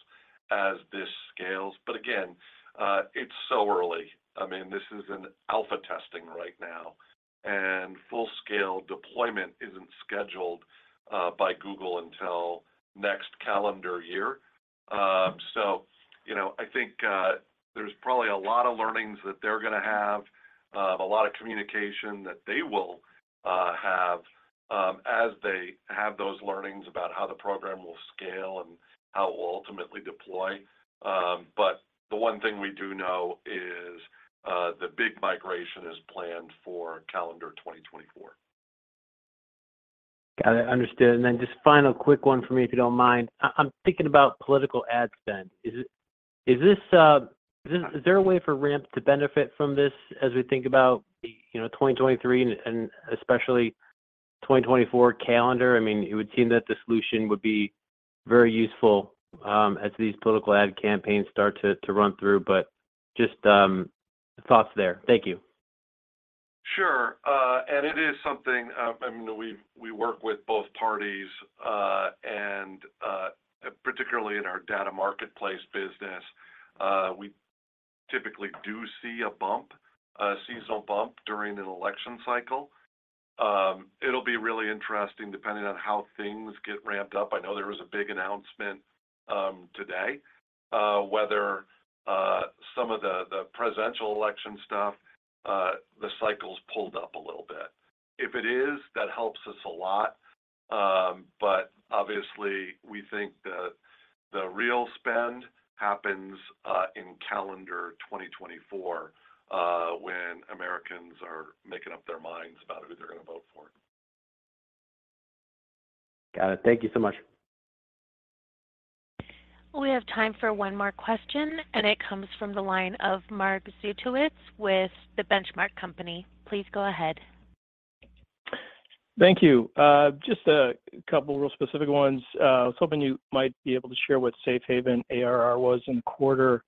as this scales. Again, it's so early. I mean, this is in alpha testing right now, full-scale deployment isn't scheduled by Google until next calendar year. You know, I think there's probably a lot of learnings that they're gonna have, a lot of communication that they will have as they have those learnings about how the program will scale and how it will ultimately deploy. The one thing we do know is the big migration is planned for calendar 2024. Got it, understood. Just final quick one for me, if you don't mind. I'm thinking about political ad spend. Is there a way for Ramp to benefit from this as we think about, you know, 2023 and especially 2024 calendar? I mean, it would seem that the solution would be very useful as these political ad campaigns start to run through. Just thoughts there. Thank you. Sure. It is something, I mean, we work with both parties, particularly in our Data Marketplace business, we typically do see a bump, a seasonal bump during an election cycle. It'll be really interesting depending on how things get ramped up. I know there was a big announcement today, whether some of the presidential election stuff, the cycle's pulled up a little bit. If it is, that helps us a lot. Obviously we think that the real spend happens in calendar 2024, when Americans are making up their minds about who they're gonna vote for. Got it. Thank you so much. We have time for one more question, and it comes from the line of Mark Zgutowicz with The Benchmark Company. Please go ahead. Thank you. Just a couple of real specific ones. I was hoping you might be able to share what Safe Haven ARR was in quarter.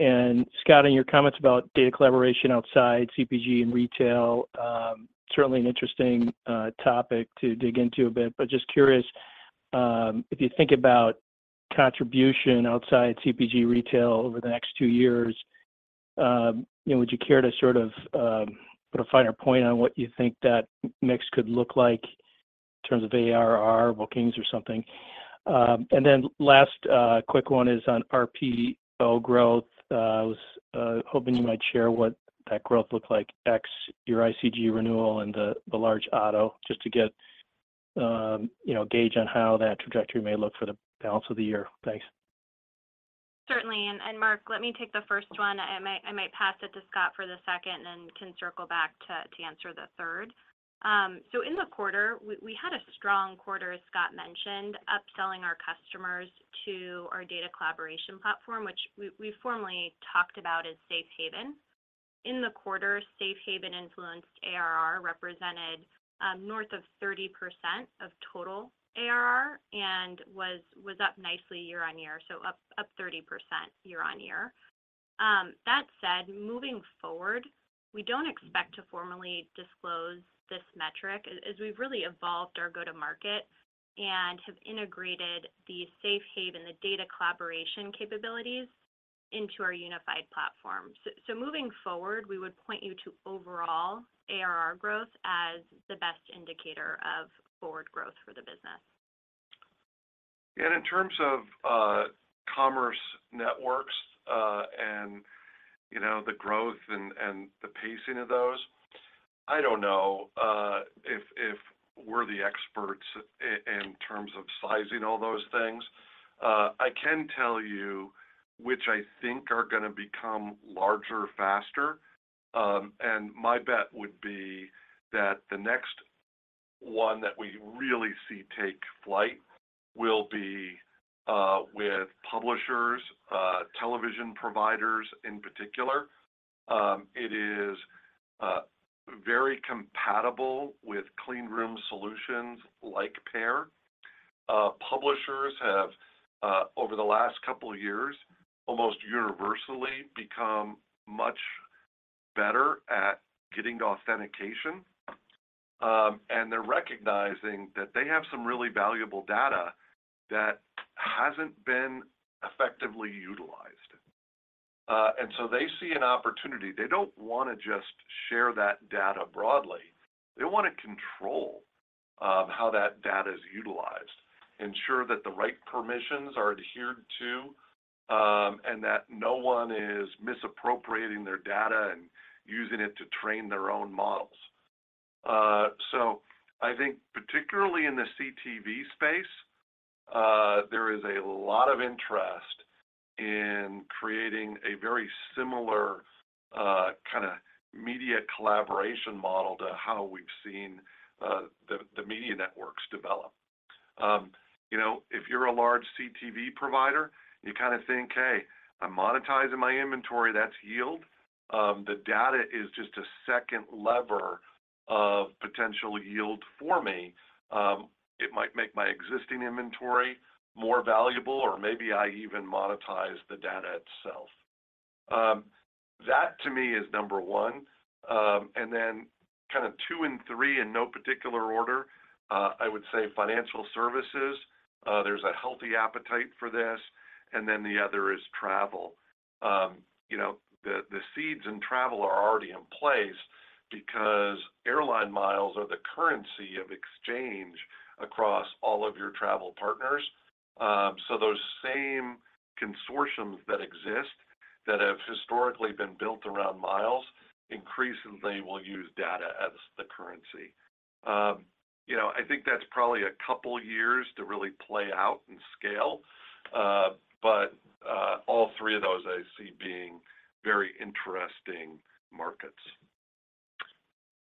Scott, in your comments about data collaboration outside CPG and retail, certainly an interesting topic to dig into a bit. Just curious, if you think about contribution outside CPG retail over the next two years, you know, would you care to sort of put a finer point on what you think that mix could look like in terms of ARR, bookings or something? Last quick one is on RPO growth. I was hoping you might share what that growth looked like ex your IPG renewal and the large auto, just to get, you know, gauge on how that trajectory may look for the balance of the year. Thanks. Certainly. Mark, let me take the first one. I might pass it to Scott for the second, and then can circle back to answer the third. In the quarter, we had a strong quarter, as Scott mentioned, upselling our customers to our Data Collaboration Platform, which we formally talked about as Safe Haven. In the quarter, Safe Haven influenced ARR represented north of 30% of total ARR and was up nicely year-on-year, so up 30% year-on-year. That said, moving forward, we don't expect to formally disclose this metric as we've really evolved our go-to-market and have integrated the Safe Haven, the data collaboration capabilities into our unified platform. Moving forward, we would point you to overall ARR growth as the best indicator of forward growth for the business. In terms of commerce networks, and, you know, the growth and the pacing of those, I don't know, if we're the experts in terms of sizing all those things. I can tell you which I think are gonna become larger faster. My bet would be that the next one that we really see take flight will be with publishers, television providers in particular. It is very compatible with clean room solutions like PAIR. Publishers have over the last couple of years almost universally become much better at getting to authentication. They're recognizing that they have some really valuable data that hasn't been effectively utilized. They see an opportunity. They don't wanna just share that data broadly. They wanna control how that data is utilized, ensure that the right permissions are adhered to, and that no one is misappropriating their data and using it to train their own models. I think particularly in the CTV space, there is a lot of interest in creating a very similar kinda media collaboration model to how we've seen the media networks develop. You know, if you're a large CTV provider, you kinda think, "Hey, I'm monetizing my inventory, that's yield. The data is just a second lever of potential yield for me. It might make my existing inventory more valuable, or maybe I even monetize the data itself." That to me is number one. Kinda two and three in no particular order, I would say financial services, there's a healthy appetite for this, and then the other is travel. You know, the seeds in travel are already in place because airline miles are the currency of exchange across all of your travel partners. Those same consortiums that exist that have historically been built around miles, increasingly will use data as the currency. You know, I think that's probably a couple years to really play out and scale. All three of those I see being very interesting markets.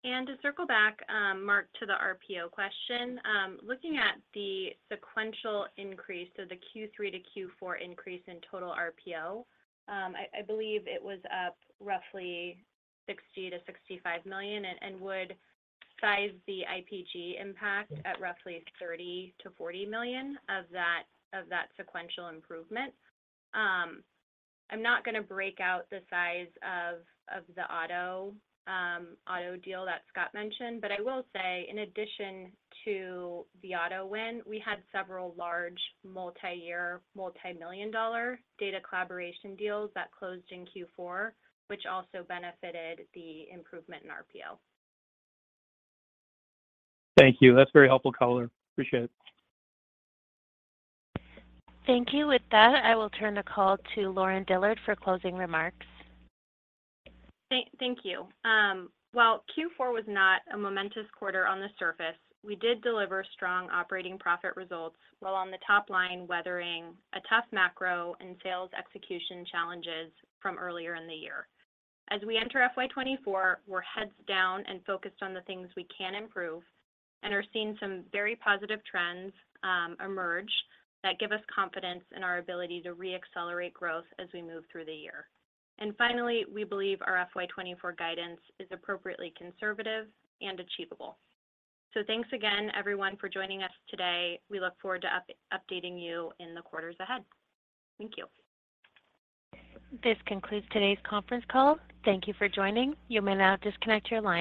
To circle back, Mark, to the RPO question, looking at the sequential increase, so the Q3 to Q4 increase in total RPO, I believe it was up roughly $60 million-$65 million and would size the IPG impact at roughly $30 million-$40 million of that sequential improvement. I'm not gonna break out the size of the auto deal that Scott mentioned, but I will say in addition to the auto win, we had several large multi-year, multi-million dollar data collaboration deals that closed in Q4, which also benefited the improvement in RPO. Thank you. That's very helpful color. Appreciate it. Thank you. With that, I will turn the call to Lauren Dillard for closing remarks. Thank you. While Q4 was not a momentous quarter on the surface, we did deliver strong operating profit results while on the top line weathering a tough macro and sales execution challenges from earlier in the year. As we enter FY 2024, we're heads down and focused on the things we can improve and are seeing some very positive trends emerge that give us confidence in our ability to re-accelerate growth as we move through the year. Finally, we believe our FY 2024 guidance is appropriately conservative and achievable. Thanks again, everyone, for joining us today. We look forward to updating you in the quarters ahead. Thank you. This concludes today's conference call. Thank you for joining. You may now disconnect your line.